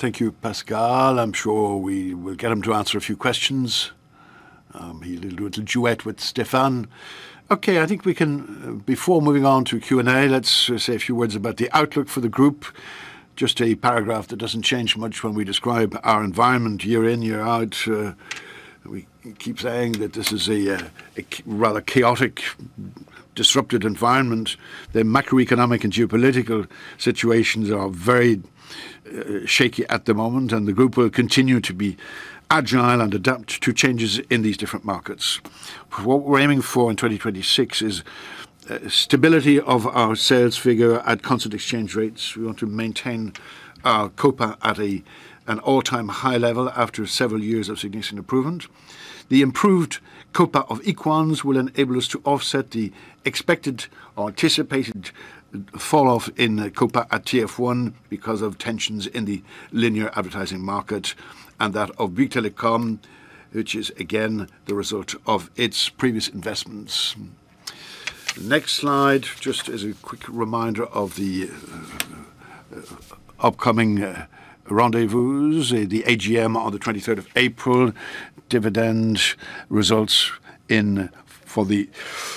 Thank you, Pascal. I'm sure we will get him to answer a few questions. He'll do a little duet with Stéphane. Before moving on to Q&A, let's say a few words about the outlook for the group. Just a paragraph that doesn't change much when we describe our environment year in, year out. We keep saying that this is a rather chaotic, disrupted environment. The macroeconomic and geopolitical situations are very shaky at the moment, and the group will continue to be agile and adapt to changes in these different markets. What we're aiming for in 2026 is stability of our sales figure at constant exchange rates. We want to maintain our COPA at an all-time high level after several years of significant improvement. The improved COPA of Equans will enable us to offset the expected or anticipated falloff in COPA at TF1 because of tensions in the linear advertising market, and that of Bouygues Telecom, which is again the result of its previous investments. Next slide, just as a quick reminder of the upcoming rendezvous, the AGM on the 2third of April, dividend results for the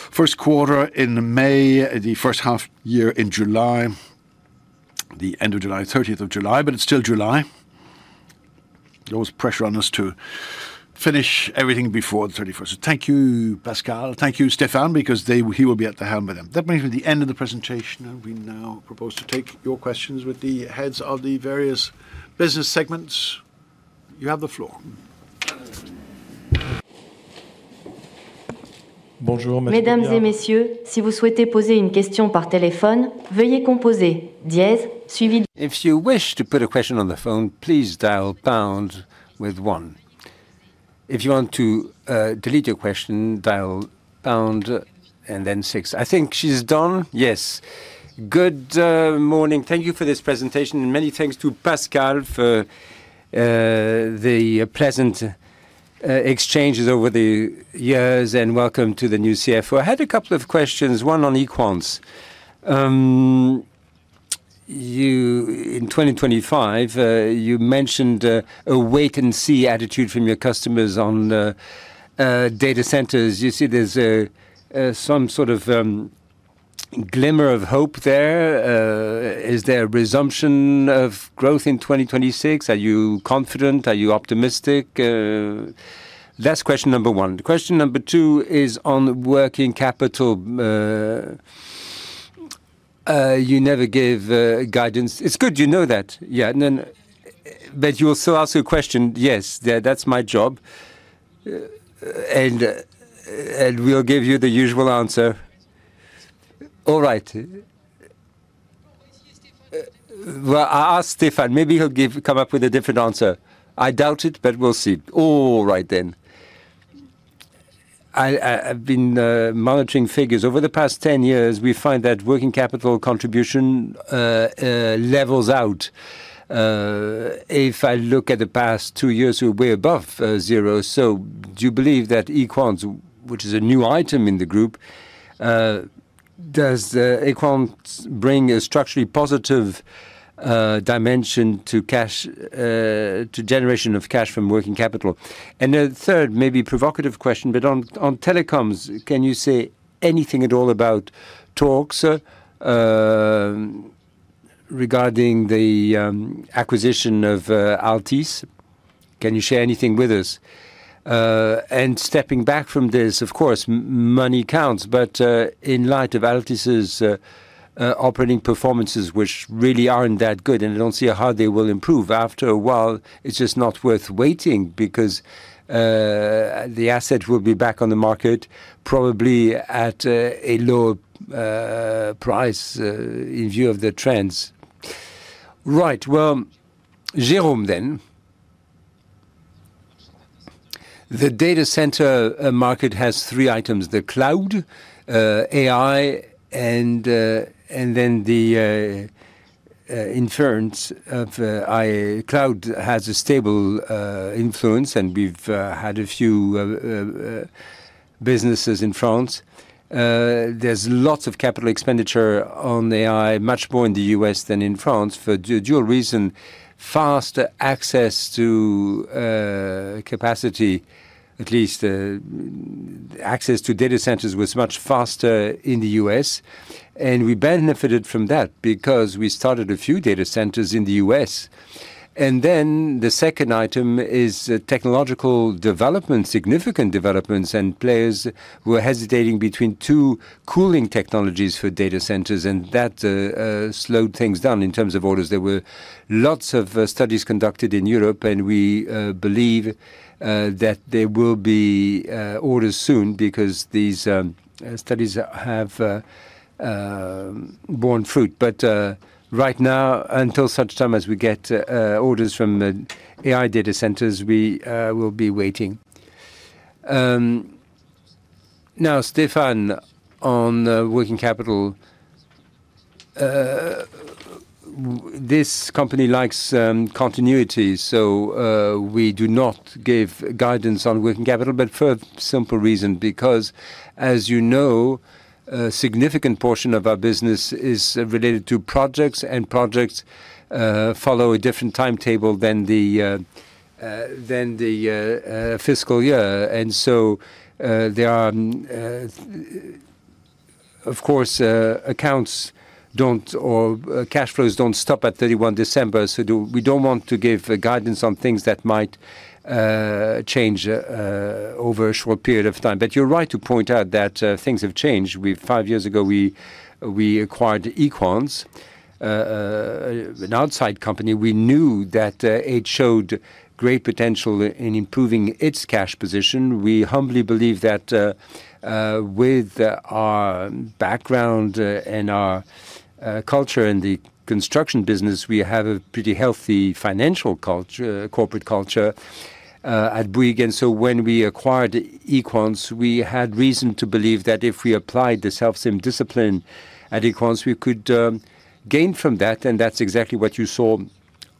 first quarter in May, the first half year in July, the end of July, 30th of July, it's still July. There was pressure on us to finish everything before the 31st. Thank you, Pascal. Thank you, Stéphane, because he will be at the helm with him. That brings me to the end of the presentation. We now propose to take your questions with the heads of the various business segments. You have the floor. If you wish to put a question on the phone, please dial pound with one. If you want to delete your question, dial pound and then six. I think she's done. Yes. Good morning. Thank you for this presentation, and many thanks to Pascal for the pleasant exchanges over the years, and welcome to the new CFO. I had a couple of questions, one on Equans. In 2025, you mentioned a wait-and-see attitude from your customers on the data centers. You see there's some sort of glimmer of hope there. Is there a resumption of growth in 2026? Are you confident? Are you optimistic? That's question number one. Question number two is on working capital. You never gave guidance. It's good you know that. Yeah, you will still ask a question. Yes, that's my job. We'll give you the usual answer. All right. Well, I'll ask Stéphane. Maybe he'll come up with a different answer. I doubt it, but we'll see. All right. I've been monitoring figures. Over the past 10 years, we find that working capital contribution levels out. If I look at the past two years, we're way above zero. So, do you believe that Equans, which is a new item in the group, Does Equans bring a structurally positive dimension to cash to generation of cash from working capital? A third, maybe provocative question, but on telecoms, can you say anything at all about talks regarding the acquisition of Altice? Can you share anything with us? Stepping back from this, of course, money counts, but in light of Altice's operating performances, which really aren't that good, and I don't see how they will improve. After a while, it's just not worth waiting, because the asset will be back on the market, probably at a lower price in view of the trends. Right. Well, Jerome, then. The data center market has three items, the cloud, AI, and then the influence of AI. Cloud has a stable influence, and we've had a few businesses in France. There's lots of capital expenditure on AI, much more in the U.S. than in France, for dual reason. Faster access to capacity, at least, access to data centers was much faster in the U.S., and we benefited from that because we started a few data centers in the U.S. The second item is technological development, significant developments, and players who are hesitating between two cooling technologies for data centers, and that slowed things down in terms of orders. There were lots of studies conducted in Europe, and we believe that there will be orders soon because these studies have borne fruit. Right now, until such time as we get orders from the AI data centers, we will be waiting. Now, Stéphane, on the working capital, this company likes continuity, so we do not give guidance on working capital, but for simple reason, because as you know, a significant portion of our business is related to projects, and projects follow a different timetable than the fiscal year. There are, of course, accounts don't or cash flows don't stop at 31 December, so we don't want to give guidance on things that might change over a short period of time. You're right to point out that things have changed. Five years ago, we acquired Equans, an outside company. We knew that it showed great potential in improving its cash position. We humbly believe that with our background and our culture in the construction business, we have a pretty healthy financial culture, corporate culture at Bouygues. When we acquired Equans, we had reason to believe that if we applied the self-same discipline at Equans, we could gain from that, and that's exactly what you saw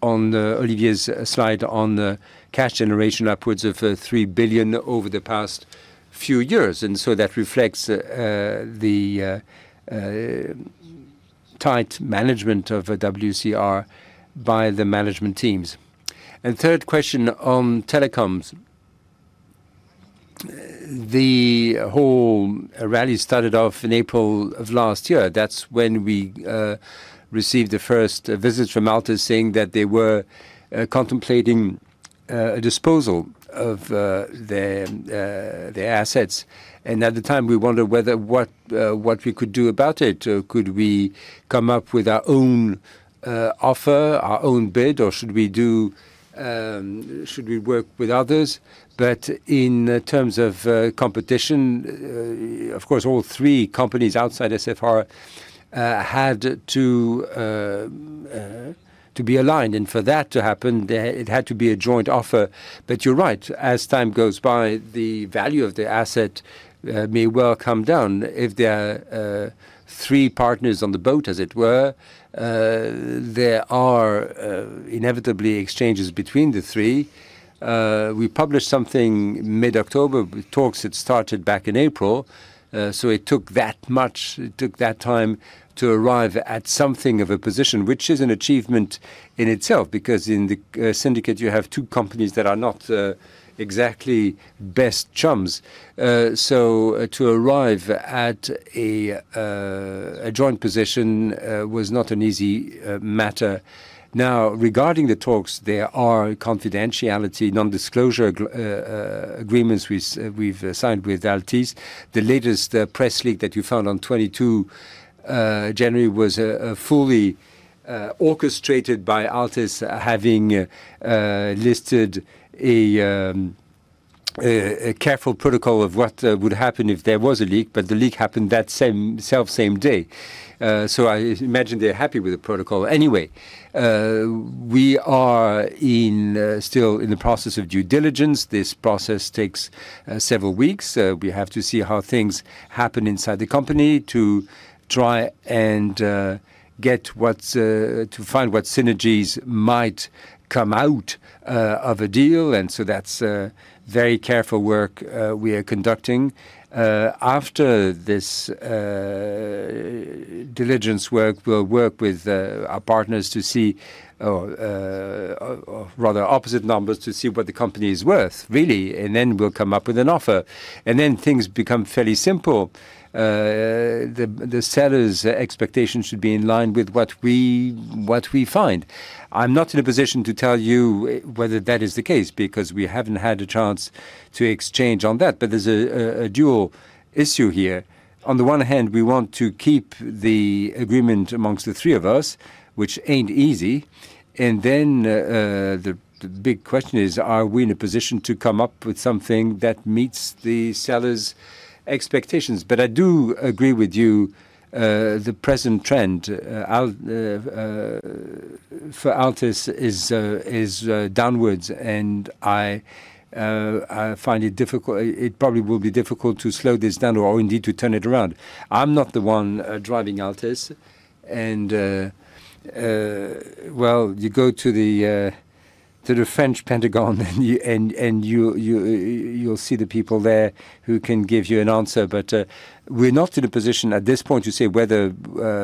on Olivier's slide on the cash generation, upwards of 3 billion over the past few years. That reflects the tight management of WCR by the management teams. Third question on telecoms. The whole rally started off in April of last year. That's when we received the first visits from Altice saying that they were contemplating a disposal of their assets. At the time, we wondered whether what we could do about it. Could we come up with our own offer, our own bid, or should we do, should we work with others? In terms of competition, of course, all three companies outside SFR had to be aligned. For that to happen, it had to be a joint offer. You're right, as time goes by, the value of the asset may well come down. If there are three partners on the boat, as it were, there are inevitably exchanges between the three. We published something mid-October. Talks had started back in April. It took that much, it took that time to arrive at something of a position, which is an achievement in itself, because in the syndicate, you have two companies that are not exactly best chums. To arrive at a joint position was not an easy matter. Regarding the talks, there are confidentiality, non-disclosure agreements we've signed with Altice. The latest press leak that you found on 22 January was fully orchestrated by Altice, having listed a careful protocol of what would happen if there was a leak, but the leak happened that same day. I imagine they're happy with the protocol. Anyway, we are still in the process of due diligence. This process takes several weeks. We have to see how things happen inside the company to try and get what's, to find what synergies might come out of a deal. That's very careful work we are conducting. After this diligence work, we'll work with our partners to see, rather, opposite numbers to see what the company is worth, really. Then we'll come up with an offer. Then things become fairly simple. The seller's expectation should be in line with what we find. I'm not in a position to tell you whether that is the case because we haven't had a chance to exchange on that, but there's a dual issue here. On the one hand, we want to keep the agreement amongst the three of us, which ain't easy. Then, the big question is: Are we in a position to come up with something that meets the seller's expectations? I do agree with you, the present trend for Altice is downwards, and I find it difficult. It probably will be difficult to slow this down or indeed to turn it around. I'm not the one driving Altice. Well, you go to the French Pentagon, and you'll see the people there who can give you an answer. We're not in a position at this point to say whether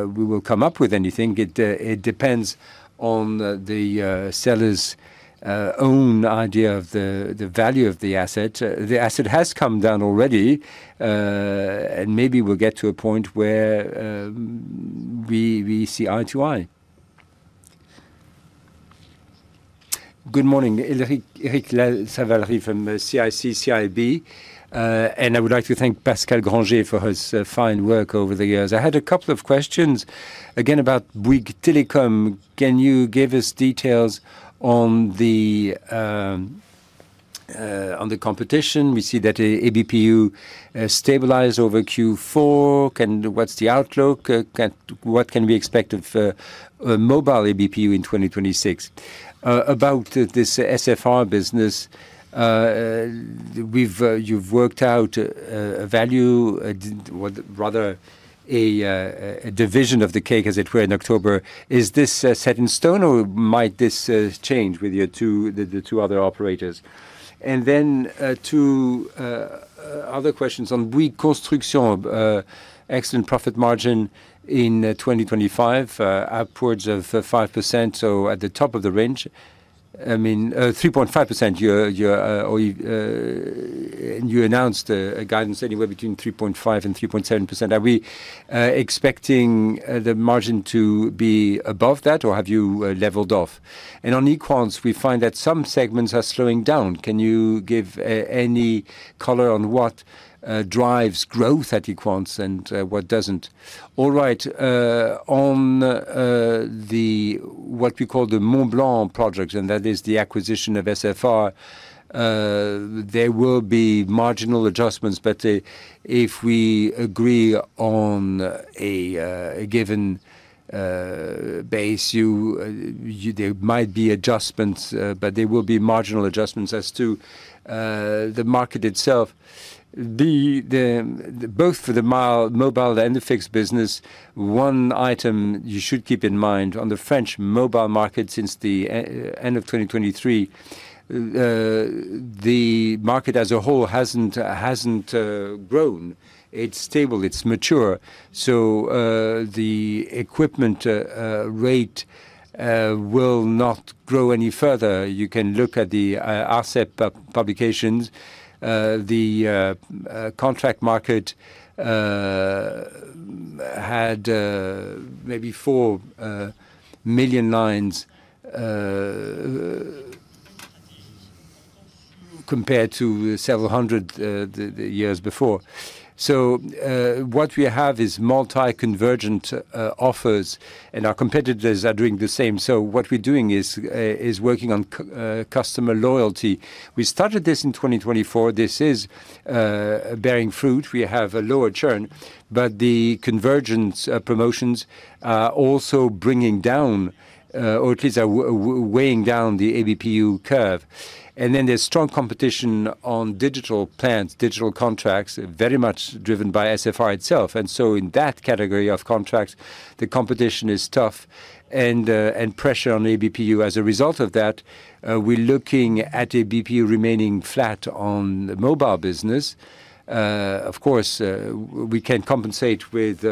we will come up with anything. It depends on the seller's own idea of the value of the asset. The asset has come down already, and maybe we'll get to a point where we see eye to eye. Good morning. Eric Ravary from CIC. I would like to thank Pascal Grangé for his fine work over the years. I had a couple of questions, again, about Bouygues Telecom. Can you give us details on the competition? We see that ABPU stabilized over Q4. What's the outlook? What can we expect of a mobile ABPU in 2026? About this SFR business, we've you've worked out a value, rather a division of the cake, as it were, in October. Is this set in stone, or might this change with your two other operators? Two other questions on Bouygues Construction. Excellent profit margin in 2025, upwards of 5%, so at the top of the range. I mean, 3.5%. You announced a guidance anywhere between 3.5% and 3.7%. Are we expecting the margin to be above that, or have you leveled off? On Equans, we find that some segments are slowing down. Can you give any color on what drives growth at Equans and what doesn't? All right, on the what we call the Mont Blanc project, that is the acquisition of SFR, there will be marginal adjustments. If we agree on a given base, there might be adjustments, but they will be marginal adjustments as to the market itself. Both for the mobile and the fixed business, one item you should keep in mind, on the French mobile market, since the end of 2023, the market as a whole hasn't grown. It's stable, it's mature, the equipment rate will not grow any further. You can look at the ARCEP publications. The contract market had maybe 4 million lines, compared to several hundred the years before. What we have is multi-convergent offers, and our competitors are doing the same. What we're doing is working on customer loyalty. We started this in 2024. This is bearing fruit. We have a lower churn, the convergence promotions are also bringing down, or at least are weighing down the ABPU curve. There's strong competition on digital plans, digital contracts, very much driven by SFR itself, and so in that category of contracts, the competition is tough and pressure on ABPU. As a result of that, we're looking at ABPU remaining flat on the mobile business. Of course, we can compensate with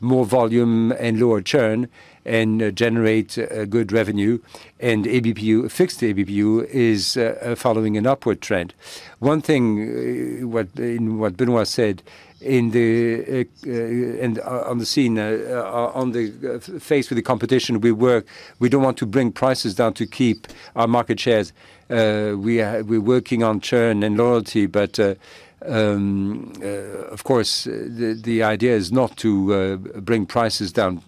more volume and lower churn and generate good revenue. ABPU, fixed ABPU, is following an upward trend. One thing, what Benoit said in the, in, on the scene, on the, faced with the competition, we don't want to bring prices down to keep our market shares. We are, we're working on churn and loyalty, but, of course, the idea is not to bring prices down.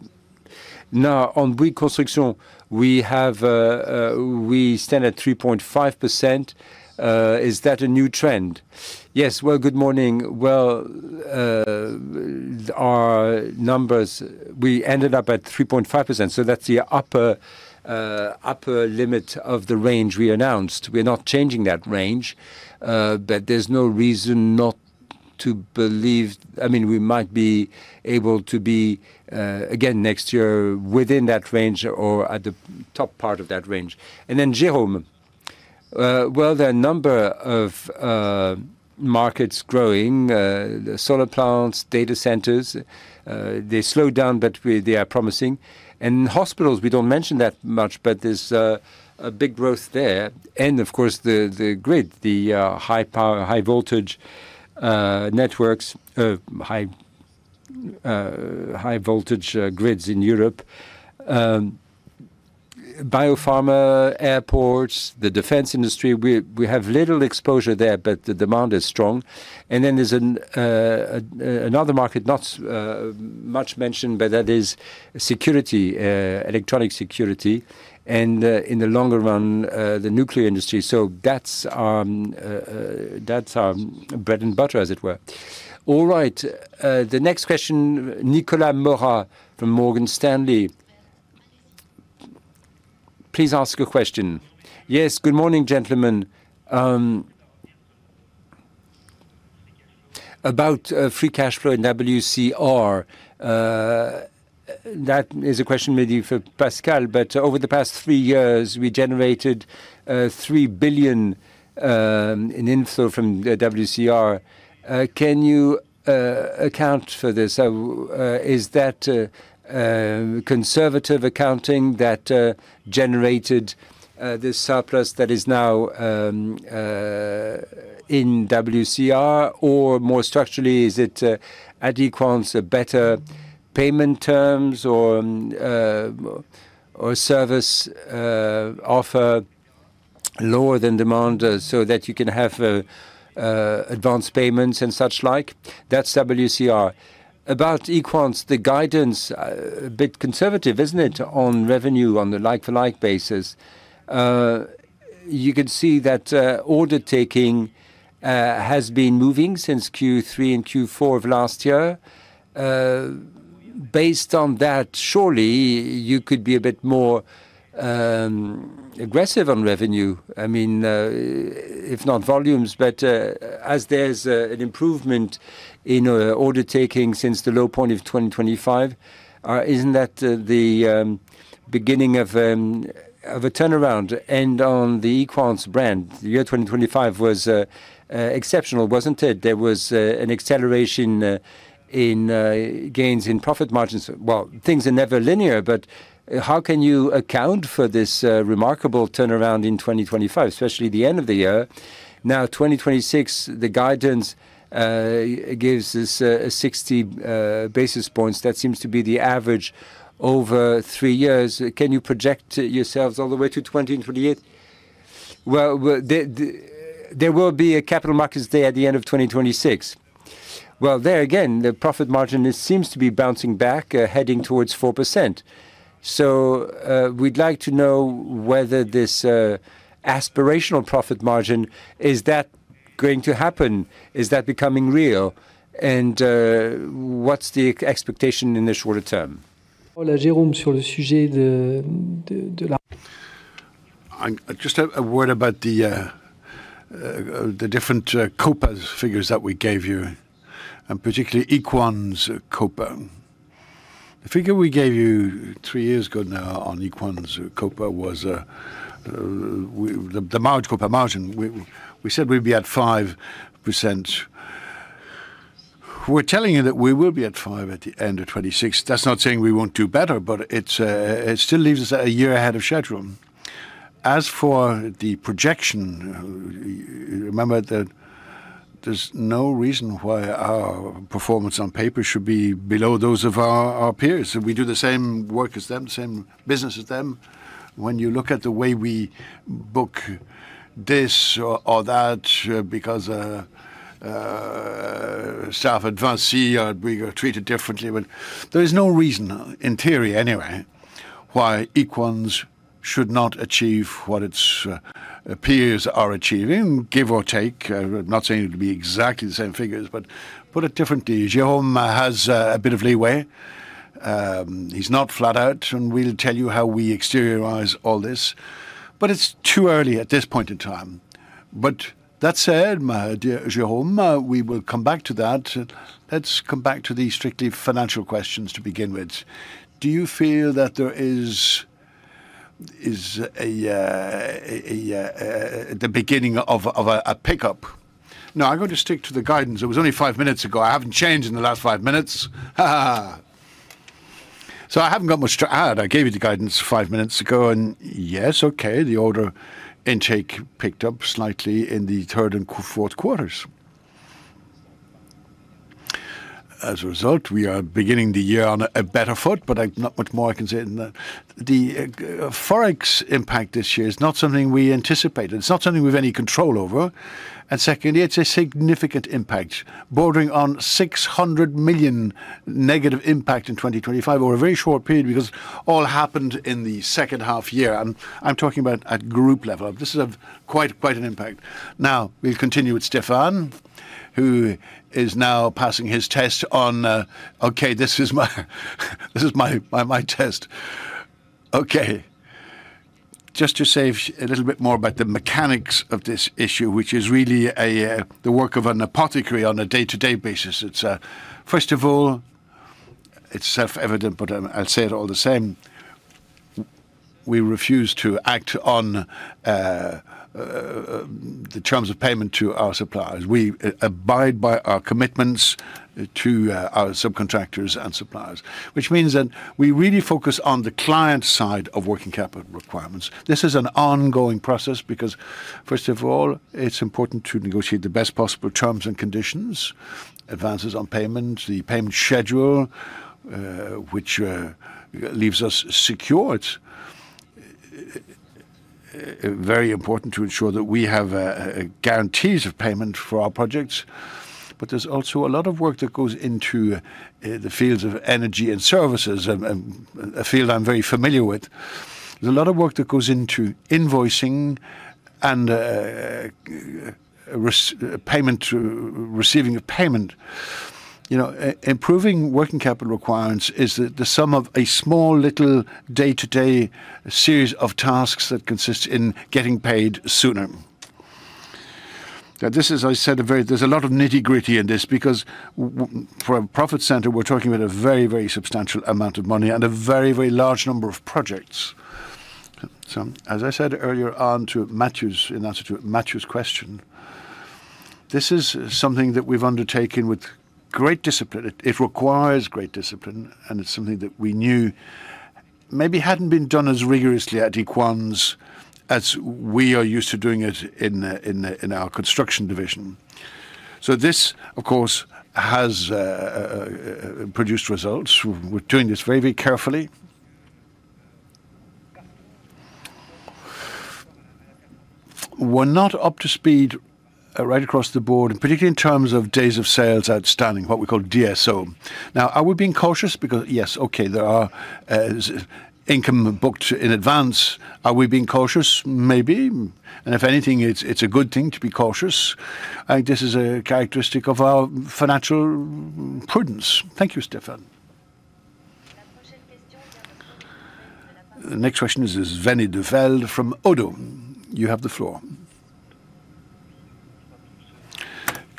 Now, on reconstruction, we have, we stand at 3.5%. Is that a new trend? Yes. Well, good morning. Well, our numbers, we ended up at 3.5%, so that's the upper limit of the range we announced. We're not changing that range, but there's no reason not to believe, I mean, we might be able to be again next year within that range or at the top part of that range. Jerome, there are a number of markets growing, solar plants, data centers, they slowed down, but they are promising. Hospitals, we don't mention that much, but there's a big growth there. Of course, the grid, the high power, high voltage networks, high voltage grids in Europe. Biopharma, airports, the defense industry, we have little exposure there, but the demand is strong. There's another market, not much mentioned, but that is security, electronic security, and in the longer run, the nuclear industry. That's our bread and butter, as it were. The next question, Nicolas Mora from Morgan Stanley. Please ask a question. Yes, good morning, gentlemen. About free cash flow in WCR. That is a question maybe for Pascal. Over the past three years, you generated 3 billion in inflow from the WCR. Can you account for this? Is that conservative accounting that generated this surplus that is now in WCR? Or more structurally, is it at Equans, a better payment terms or service offer lower than demand, so that you can have advanced payments and such like? That's WCR. About Equans, the guidance, a bit conservative, isn't it, on revenue, on the like-for-like basis. You can see that order taking has been moving since Q3 and Q4 of last year. Based on that, surely you could be a bit more aggressive on revenue. I mean, if not volumes, but as there's an improvement in order taking since the low point of 2025, isn't that the beginning of a turnaround? On the Equans brand, the year 2025 was exceptional, wasn't it? There was an acceleration in gains in profit margins. Well, things are never linear, but how can you account for this remarkable turnaround in 2025, especially the end of the year? 2026, the guidance gives us a 60 basis points. That seems to be the average over three years. Can you project yourselves all the way to 2028? Well, there will be a Capital Markets Day at the end of 2026. There again, the profit margin, it seems to be bouncing back, heading towards 4%. We'd like to know whether this aspirational profit margin, is that going to happen? Is that becoming real? What's the expectation in the shorter term? Just a word about the different COPA figures that we gave you, and particularly Equans COPA. The figure we gave you three years ago now on Equans COPA was, the margin, COPA margin, we said we'd be at 5%. We're telling you that we will be at five at the end of 2026. That's not saying we won't do better, but it still leaves us a year ahead of schedule. As for the projection, remember that there's no reason why our performance on paper should be below those of our peers. We do the same work as them, same business as them. When you look at the way we book this or that, because staff at Vinci, we are treated differently. There is no reason, in theory anyway, why Equans should not achieve what its peers are achieving, give or take. I'm not saying it would be exactly the same figures, but put it differently. Jerome has a bit of leeway. He's not flat out, and we'll tell you how we exteriorize all this, but it's too early at this point in time. That said, my dear Jerome, we will come back to that. Let's come back to the strictly financial questions to begin with. Do you feel that there is the beginning of a pickup? No, I'm going to stick to the guidance. It was only five minutes ago. I haven't changed in the last five minutes. I haven't got much to add. I gave you the guidance five minutes ago, yes, okay, the order intake picked up slightly in the third and fourth quarters. As a result, we are beginning the year on a better foot, not much more I can say than that. The forex impact this year is not something we anticipated. It's not something we've any control over. Secondly, it's a significant impact, bordering on 600 million negative impact in 2025 over a very short period, because all happened in the second half year. I'm talking about at group level. This is of quite an impact. We continue with Stéphane, who is now passing his test on. Okay, this is my test. Just to say a little bit more about the mechanics of this issue, which is really the work of an apothecary on a day-to-day basis. It's first of all, it's self-evident, but I'll say it all the same. We refuse to act on the terms of payment to our suppliers. We abide by our commitments to our subcontractors and suppliers, which means that we really focus on the client side of working capital requirements. This is an ongoing process because, first of all, it's important to negotiate the best possible terms and conditions, advances on payment, the payment schedule, which leaves us secured. Very important to ensure that we have guarantees of payment for our projects, there's also a lot of work that goes into the fields of energy and services, a field I'm very familiar with. There's a lot of work that goes into invoicing and receiving a payment. You know, improving working capital requirements is the sum of a small, little day-to-day series of tasks that consist in getting paid sooner. This is, I said, a very there's a lot of nitty-gritty in this because for a profit center, we're talking about a very, very substantial amount of money and a very, very large number of projects. As I said earlier on to Mathieu's, in answer to Mathieu's question, this is something that we've undertaken with great discipline. It requires great discipline, and it's something that we knew maybe hadn't been done as rigorously at Equans as we are used to doing it in our construction division. This, of course, has produced results. We're doing this very, very carefully. We're not up to speed right across the board, and particularly in terms of days of sales outstanding, what we call DSO. Are we being cautious? Because yes, okay, there are income booked in advance. Are we being cautious? Maybe. If anything, it's a good thing to be cautious. I think this is a characteristic of our financial prudence. Thank you, Stéphane. The next question is Veni de Vel from ODDO. You have the floor.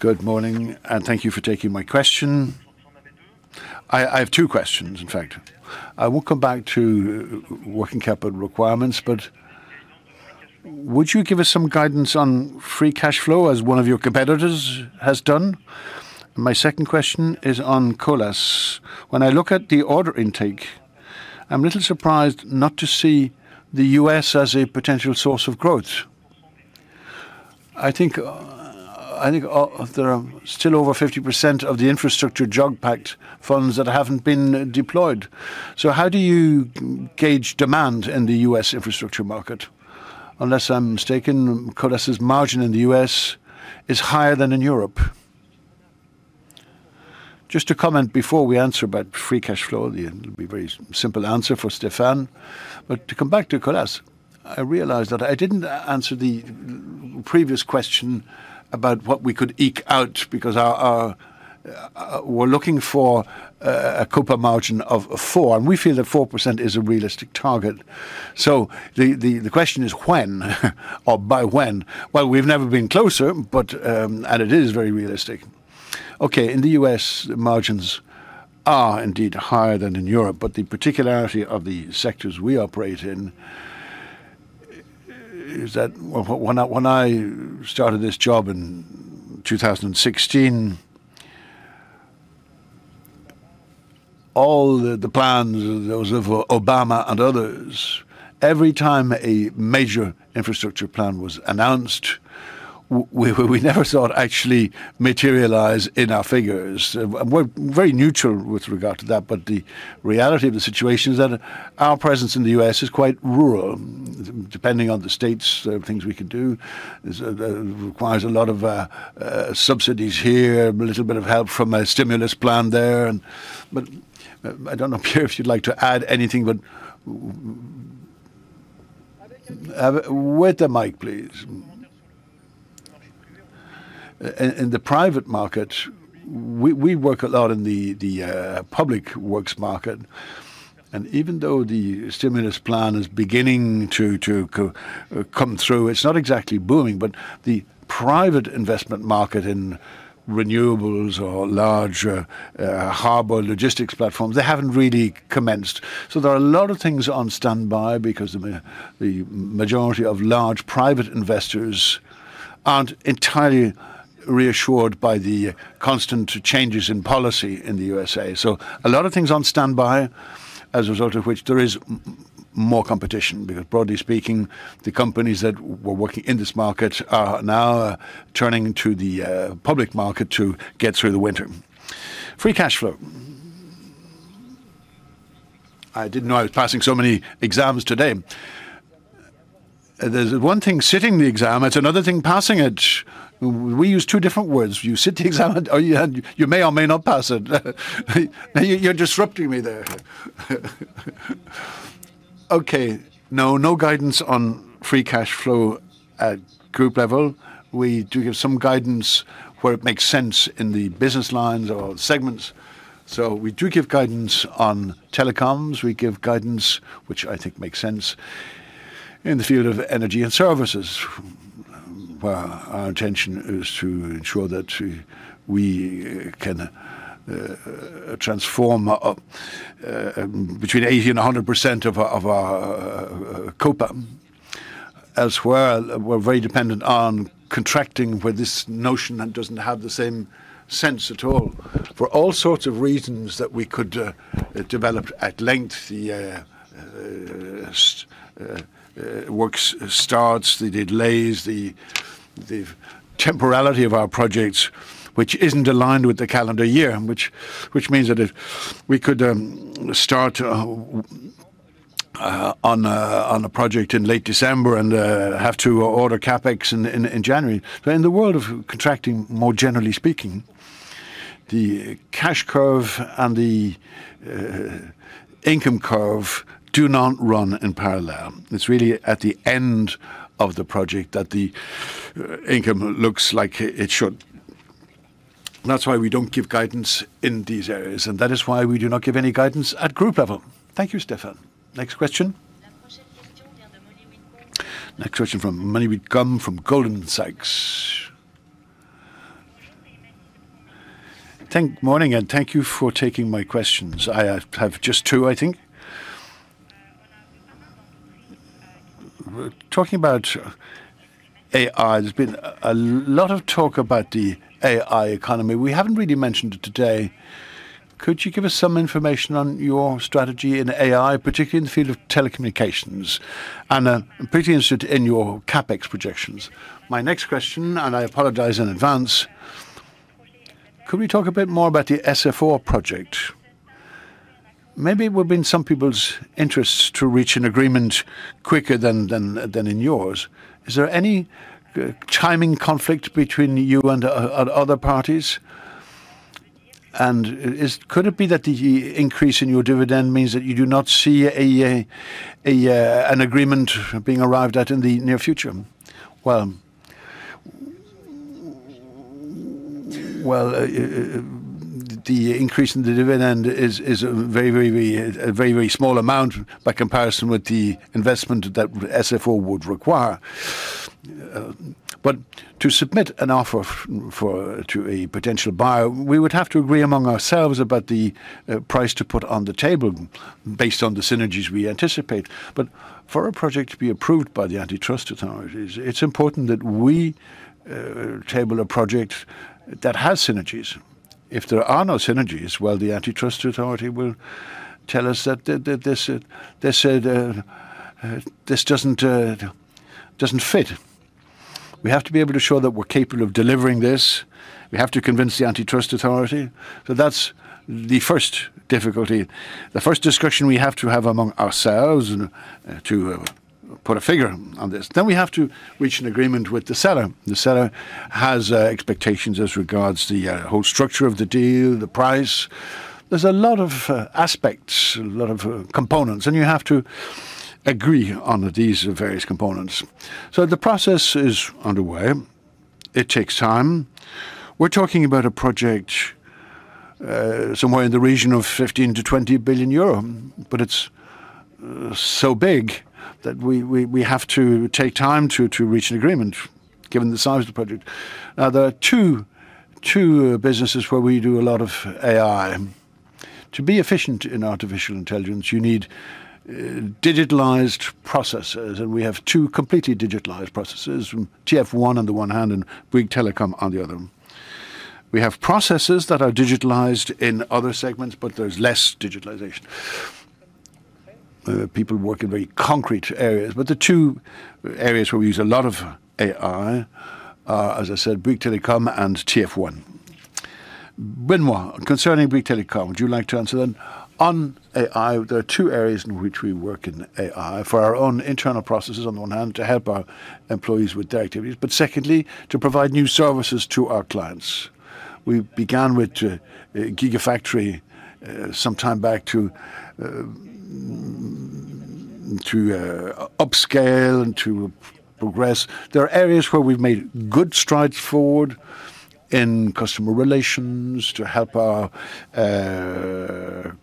Good morning, and thank you for taking my question. I have two questions, in fact. I will come back to working capital requirements, but would you give us some guidance on free cash flow, as one with one of your competitors has done? My second question is on Colas. When I look at the order intake, I'm a little surprised not to see the U.S. as a potential source of growth. I think, I think, there are still over 50% of the infrastructure jog-packed funds that haven't been deployed. How do you gauge demand in the U.S. infrastructure market? Unless I'm mistaken, Colas' margin in the U.S. is higher than in Europe. Just to comment before we answer about free cash flow, it'll be very simple answer for Stéphane. To come back to Nicolas, I realized that I didn't answer the previous question about what we could eke out, because our, we're looking for a COPA margin of 4, and we feel that 4% is a realistic target. The question is when, or by when? Well, we've never been closer, but, and it is very realistic. Okay, in the U.S., margins are indeed higher than in Europe, but the particularity of the sectors we operate in is that when I started this job in 2016, all the plans, those of Obama and others, every time a major infrastructure plan was announced, we never saw it actually materialize in our figures. We're very neutral with regard to that. The reality of the situation is that our presence in the U.S. is quite rural, depending on the states, the things we could do requires a lot of subsidies here, a little bit of help from a stimulus plan there. I don't know, Pierre, if you'd like to add anything, but. With the mic, please. In the private market, we work a lot in the public works market. Even though the stimulus plan is beginning to come through, it's not exactly booming. The private investment market in renewables or larger harbor logistics platforms, they haven't really commenced. There are a lot of things on standby because the majority of large private investors aren't entirely reassured by the constant changes in policy in the U.S.A. A lot of things on standby, as a result of which there is more competition, because broadly speaking, the companies that were working in this market are now turning to the public market to get through the winter. Free cash flow. I didn't know I was passing so many exams today. There's one thing, sitting the exam, it's another thing passing it. We use two different words. You sit the exam, or you may or may not pass it. Now, you're disrupting me there. Okay. No, no guidance on free cash flow at group level. We do give some guidance where it makes sense in the business lines or segments. We do give guidance on telecoms. We give guidance, which I think makes sense, in the field of energy and services, where our intention is to ensure that we can transform up between 80% and 100% of our COPA. As well, we're very dependent on contracting, where this notion then doesn't have the same sense at all. For all sorts of reasons that we could develop at length, the works starts, the delays, the temporality of our projects, which isn't aligned with the calendar year, and which means that if we could start on a project in late December and have to order CapEx in January. In the world of contracting, more generally speaking, the cash curve and the income curve do not run in parallel. It's really at the end of the project that the income looks like it should. That's why we don't give guidance in these areas. That is why we do not give any guidance at group level. Thank you, Stéphane. Next question. Next question from Mollie Witcombe come from Goldman Sachs. Morning, thank you for taking my questions. I have just two, I think. Talking about AI, there's been a lot of talk about the AI economy. We haven't really mentioned it today. Could you give us some information on your strategy in AI, particularly in the field of telecommunications? I'm pretty interested in your CapEx projections. My next question, I apologize in advance: Could we talk a bit more about the SFR project? Maybe it would be in some people's interests to reach an agreement quicker than in yours. Is there any timing conflict between you and other parties? Could it be that the increase in your dividend means that you do not see an agreement being arrived at in the near future? Well, the increase in the dividend is a very small amount by comparison with the investment that SFR would require. To submit an offer for a potential buyer, we would have to agree among ourselves about the price to put on the table based on the synergies we anticipate. For a project to be approved by the antitrust authorities, it's important that we table a project that has synergies. If there are no synergies, well, the antitrust authority will tell us that this doesn't fit. We have to be able to show that we're capable of delivering this. We have to convince the antitrust authority. That's the first difficulty, the first discussion we have to have among ourselves and to put a figure on this. We have to reach an agreement with the seller. The seller has expectations as regards to whole structure of the deal, the price. There's a lot of aspects, a lot of components, and you have to agree on these various components. The process is underway. It takes time. We're talking about a project, somewhere in the region of 15 billion-20 billion euro, but it's so big that we have to take time to reach an agreement, given the size of the project. Now, there are two businesses where we do a lot of AI. To be efficient in artificial intelligence, you need digitalized processes, and we have two completely digitalized processes, TF1 on the one hand and Bouygues Telecom on the other. We have processes that are digitalized in other segments, but there's less digitalization. People work in very concrete areas, but the two areas where we use a lot of AI are, as I said, Bouygues Telecom and TF1. Benoit, concerning Bouygues Telecom, would you like to answer then? On AI, there are two areas in which we work in AI. For our own internal processes on the one hand, to help our employees with their activities, but secondly, to provide new services to our clients. We began with Gigafactory sometime back to upscale and to progress. There are areas where we've made good strides forward in customer relations to help our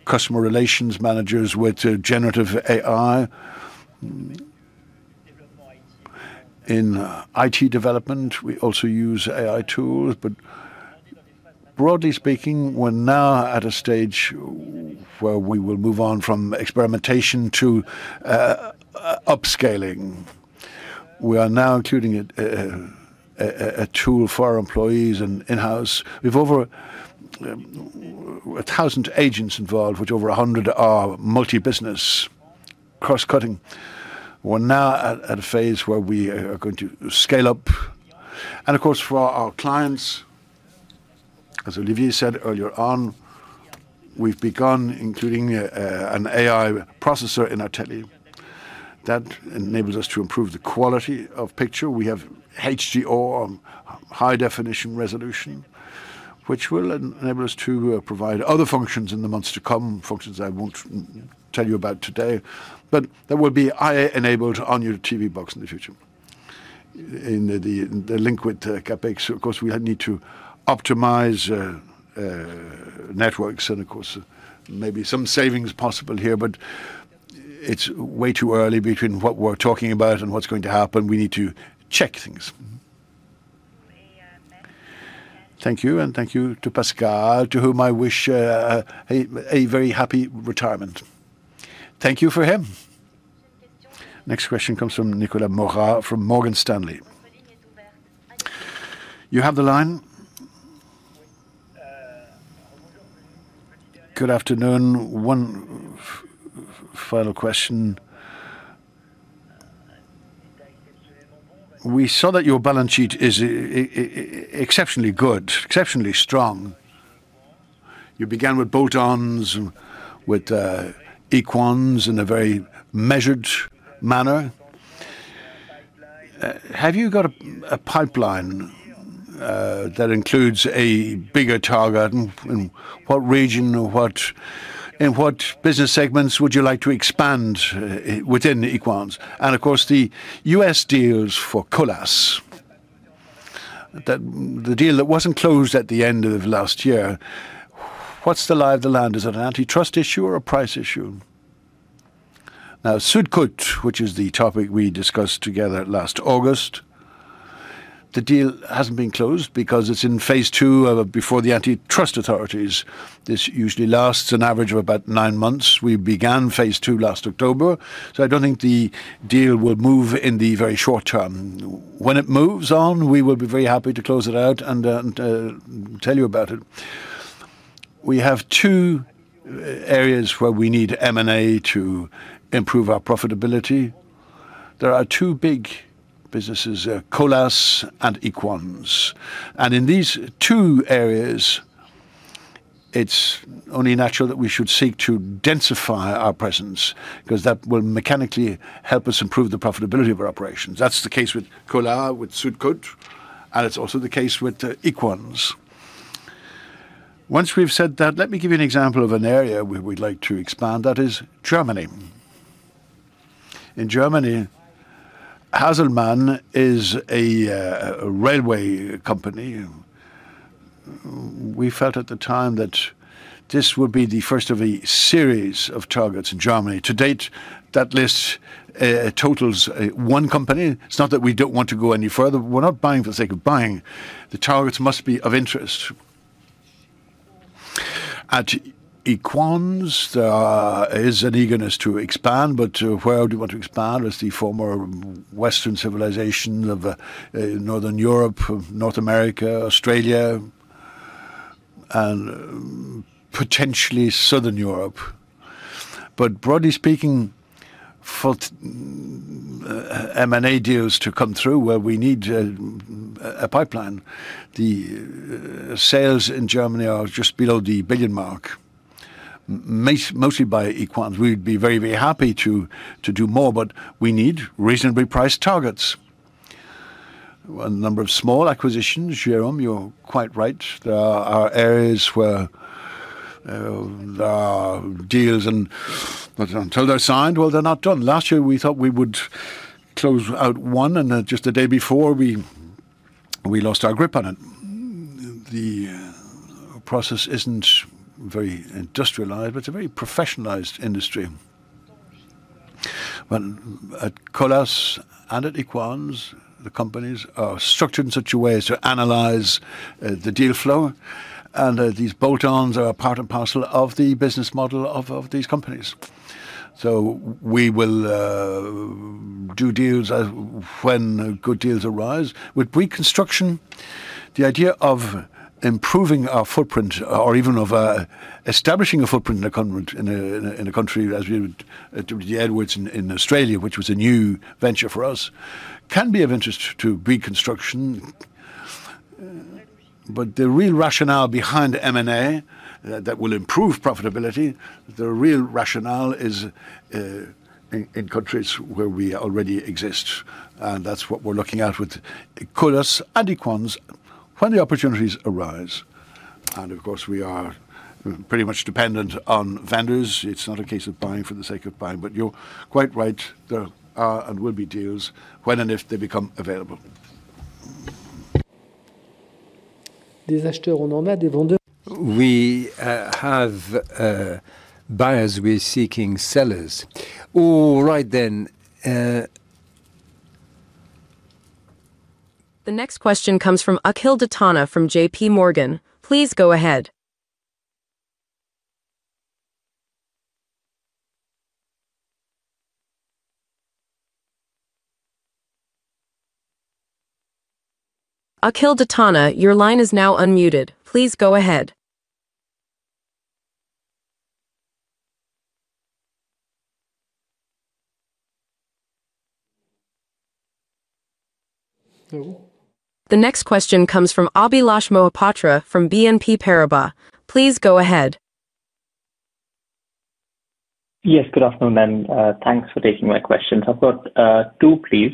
customer relations managers with generative AI. In IT development, we also use AI tools, but broadly speaking, we're now at a stage where we will move on from experimentation to upscaling. We are now including a tool for our employees and in-house. We've over 1,000 agents involved, which over 100 are multi-business cross-cutting. We're now at a phase where we are going to scale up. Of course, for our clients, as Olivier said earlier on, we've begun including an AI processor in our tele. That enables us to improve the quality of picture. We have HDR, high definition resolution, which will enable us to provide other functions in the months to come, functions I won't tell you about today. That will be AI-enabled on your TV box in the future. In the link with CapEx, of course, we need to optimize networks and, of course, maybe some savings possible here, but it's way too early between what we're talking about and what's going to happen. We need to check things. Thank you, thank you to Pascal, to whom I wish a very happy retirement. Thank you for him. Next question comes from Nicolas Mora from Morgan Stanley. You have the line. Good afternoon. One final question. We saw that your balance sheet is exceptionally good, exceptionally strong. You began with bolt-ons and with Equans in a very measured manner. Have you got a pipeline that includes a bigger target? What region or what in what business segments would you like to expand within Equans? Of course, the U.S. deals for Colas, that the deal that wasn't closed at the end of last year, what's the lie of the land? Is it an antitrust issue or a price issue? Suit-Kote, which is the topic we discussed together last August, the deal hasn't been closed because it's in phase two of before the antitrust authorities. This usually lasts an average of about nine months. We began phase two last October, so I don't think the deal will move in the very short term. When it moves on, we will be very happy to close it out and tell you about it. We have two areas where we need M&A to improve our profitability. There are two big businesses, Colas and Equans. In these two areas, it's only natural that we should seek to densify our presence, 'cause that will mechanically help us improve the profitability of our operations. That's the case with Colas, with Suit-Kote, and it's also the case with Equans. Once we've said that, let me give you an example of an area where we'd like to expand. That is Germany. In Germany, Hasselmann is a railway company, and we felt at the time that this would be the first of a series of targets in Germany. To date, that list totals one company. It's not that we don't want to go any further. We're not buying for the sake of buying. The targets must be of interest. At Equans, there is an eagerness to expand, but where we want to expand is the former Western civilization of Northern Europe, of North America, Australia, and potentially Southern Europe. Broadly speaking, for M&A deals to come through, well, we need a pipeline. The sales in Germany are just below the 1 billion mark, mostly by Equans. We'd be very, very happy to do more, but we need reasonably priced targets. A number of small acquisitions, Jerome, you're quite right. There are areas where there are deals and, but until they're signed, well, they're not done. Last year, we thought we would close out one, and just the day before, we lost our grip on it. The process isn't very industrialized, but it's a very professionalized industry. When at Colas and at Equans, the companies are structured in such a way as to analyze the deal flow, and these bolt-ons are part and parcel of the business model of these companies. We will do deals as when good deals arise. With reconstruction, the idea of improving our footprint or even of establishing a footprint in a country, as we would do the Edwards in Australia, which was a new venture for us, can be of interest to reconstruction. The real rationale behind M&A that will improve profitability, the real rationale is in countries where we already exist, and that's what we're looking at with Colas and Equans when the opportunities arise. Of course, we are pretty much dependent on vendors. It's not a case of buying for the sake of buying, but you're quite right. There are and will be deals when and if they become available. We have buyers. We're seeking sellers. All right, then. The next question comes from Akhil Dattani from JPMorgan. Please go ahead. Akhil Dattani, your line is now unmuted. Please go ahead. The next question comes from Abhilash Mohapatra from BNP Paribas. Please go ahead. Yes, good afternoon, and thanks for taking my questions. I've got two, please.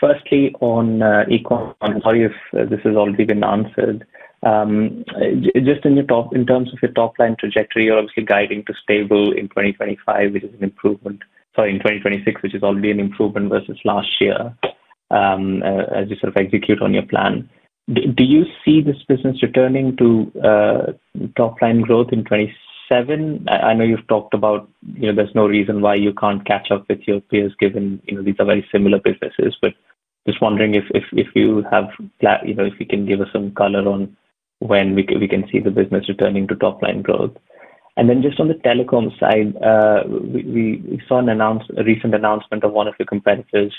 Firstly, on Equans, sorry if this has already been answered. Just in terms of your top-line trajectory, you're obviously guiding to stable in 2025, which is an improvement. Sorry, in 2026, which is already an improvement versus last year, as you sort of execute on your plan. Do you see this business returning to top-line growth in 2027? I know you've talked about, you know, there's no reason why you can't catch up with your peers, given, you know, these are very similar businesses. Just wondering if you have, you know, if you can give us some color on when we can see the business returning to top-line growth. Just on the telecom side, we saw a recent announcement of one of your competitors,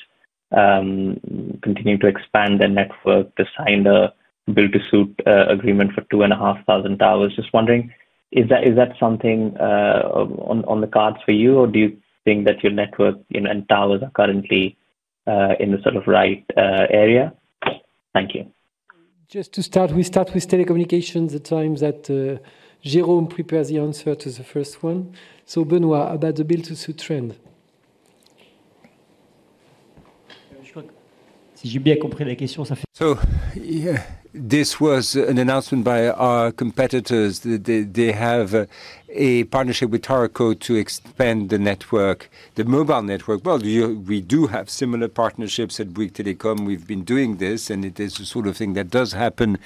continuing to expand their network. They signed a build-to-suit agreement for two and a half thousand dollars. Just wondering, is that something on the cards for you, or do you think that your network and towers are currently in the sort of right area? Thank you. Just to start, we start with telecommunications, the time that Jerome prepares the answer to the first one. Benoit, about the build-to-suit trend. Yeah, this was an announcement by our competitors. They have a partnership with TOTEM to expand the network, the mobile network. We do have similar partnerships at Bouygues Telecom. We've been doing this, and it is the sort of thing that does happen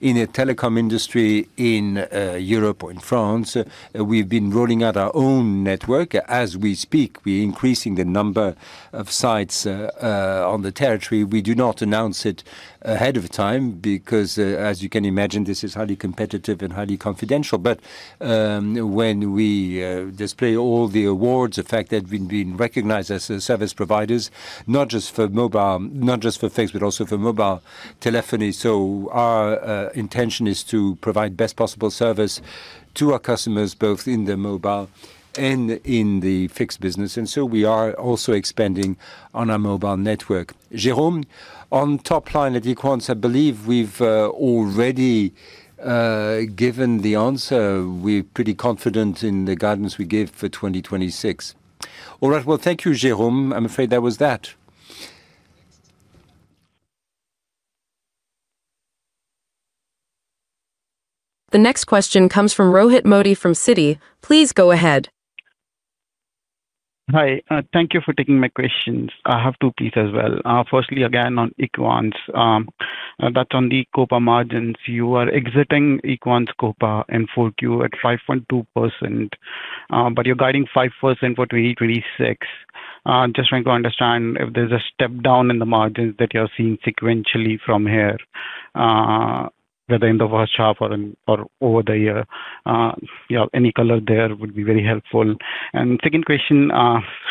in a telecom industry in Europe or in France. We've been rolling out our own network. As we speak, we're increasing the number of sites on the territory. We do not announce it ahead of time because as you can imagine, this is highly competitive and highly confidential. When we display all the awards, the fact that we've been recognized as service providers, not just for mobile, not just for fixed, but also for mobile telephony. Our intention is to provide best possible service to our customers, both in the mobile and in the fixed business, we are also expanding on our mobile network. Jerome, on top line at Equans, I believe we've already given the answer. We're pretty confident in the guidance we gave for 2026. All right. Well, thank you, Jerome. I'm afraid that was that. The next question comes from Rohit Modi, from Citi. Please go ahead. Hi, thank you for taking my questions. I have two, please, as well. Firstly, again, on Equans, that's on the COPA margins. You are exiting Equans COPA in full Q at 5.2%, but you're guiding 5% for 2026. Just trying to understand if there's a step down in the margins that you're seeing sequentially from here, at the end of our shop or in, or over the year. You know, any color there would be very helpful. Second question,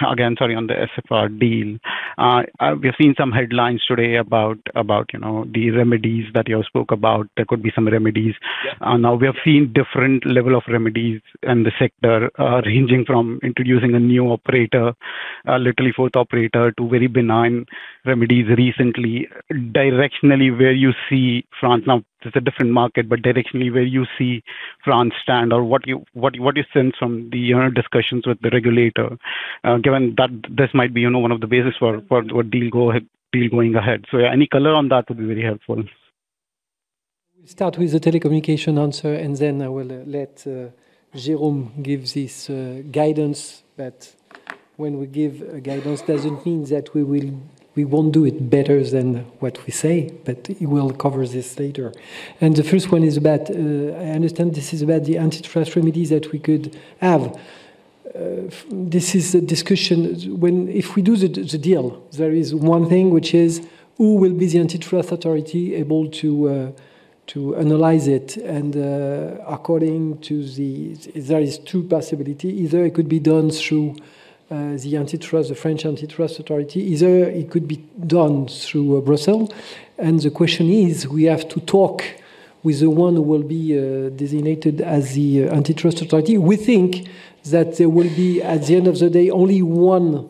again, sorry, on the SFR deal. We've seen some headlines today about, you know, the remedies that you spoke about. There could be some remedies. Yeah. Now, we have seen different level of remedies in the sector, ranging from introducing a new operator, literally fourth operator, to very benign remedies recently. Directionally, where you see France now, it's a different market, but directionally, where you see France stand or what you sense from your discussions with the regulator, given that this might be, you know, one of the basis for deal going ahead? Any color on that would be very helpful. We start with the telecommunication answer, and then I will let Jerome give this guidance. When we give a guidance, doesn't mean that we won't do it better than what we say, but he will cover this later. The first one is about. I understand this is about the antitrust remedies that we could have. This is a discussion if we do the deal, there is one thing, which is, who will be the antitrust authority able to analyze it? According to the—there is two possibility. It could be done through the antitrust, the French Antitrust Authority, either it could be done through Brussels. The question is, we have to talk with the one who will be designated as the antitrust authority. We think that there will be, at the end of the day, only one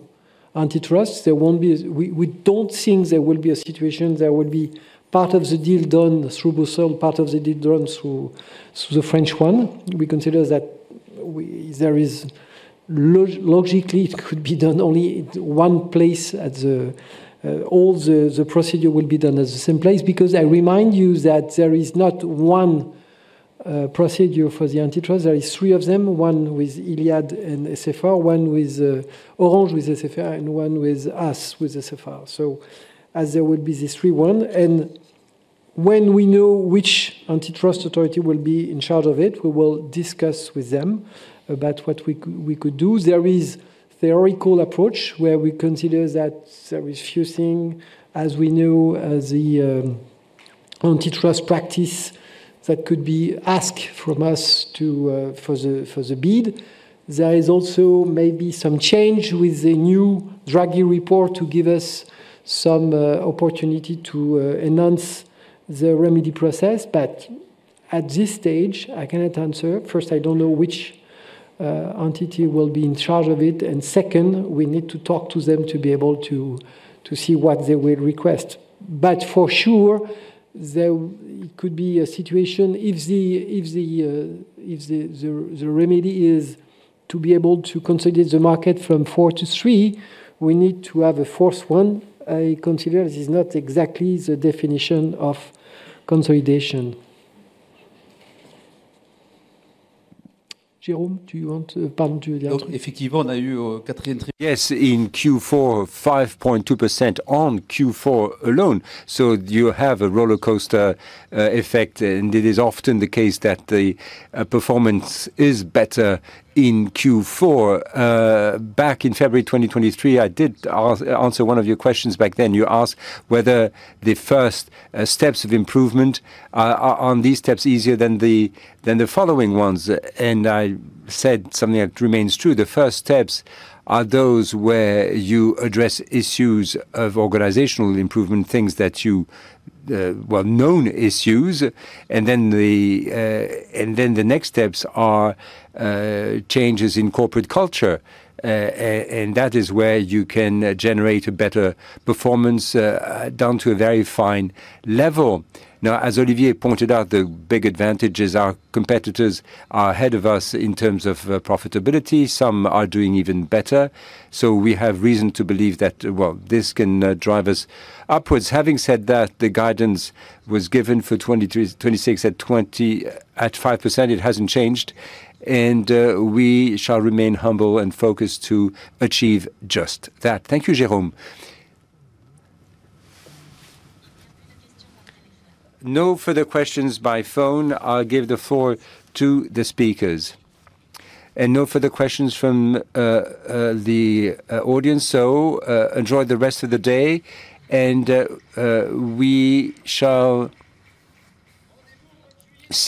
antitrust. There won't be. We don't think there will be a situation that will be part of the deal done through Brussels, part of the deal done through the French one. We consider that we, there is logically, it could be done only one place. All the procedure will be done at the same place. I remind you that there is not one procedure for the antitrust, there is three of them, one with Iliad and SFR, one with Orange with SFR, and one with us, with SFR. As there will be these three one, and when we know which antitrust authority will be in charge of it, we will discuss with them about what we could do. There is theoretical approach where we consider that there is few thing as we know, the antitrust practice that could be asked from us to for the bid. There is also maybe some change with the new Draghi report to give us some opportunity to enhance the remedy process. At this stage, I cannot answer. First, I don't know which entity will be in charge of it, and second, we need to talk to them to be able to see what they will request. For sure, there could be a situation if the remedy is to be able to consolidate the market from four to three, we need to have a fourth one. I consider this is not exactly the definition of consolidation. Jerome, do you want to- Yes, in Q4, 5.2% on Q4 alone. You have a rollercoaster effect, it is often the case that the performance is better in Q4. Back in February 2023, I did answer one of your questions back then. You asked whether the first steps of improvement are these steps easier than the following ones? I said something that remains true. The first steps are those where you address issues of organizational improvement, things that you, well, known issues. Then the next steps are changes in corporate culture. That is where you can generate a better performance down to a very fine level. As Olivier pointed out, the big advantage is our competitors are ahead of us in terms of profitability. Some are doing even better, we have reason to believe that, well, this can drive us upwards. Having said that, the guidance was given for 2023-2026 at 5%, it hasn't changed, we shall remain humble and focused to achieve just that. Thank you, Jerome. No further questions by phone. I'll give the floor to the speakers. No further questions from the audience, enjoy the rest of the day, we shall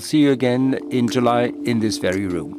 see you again in July in this very room.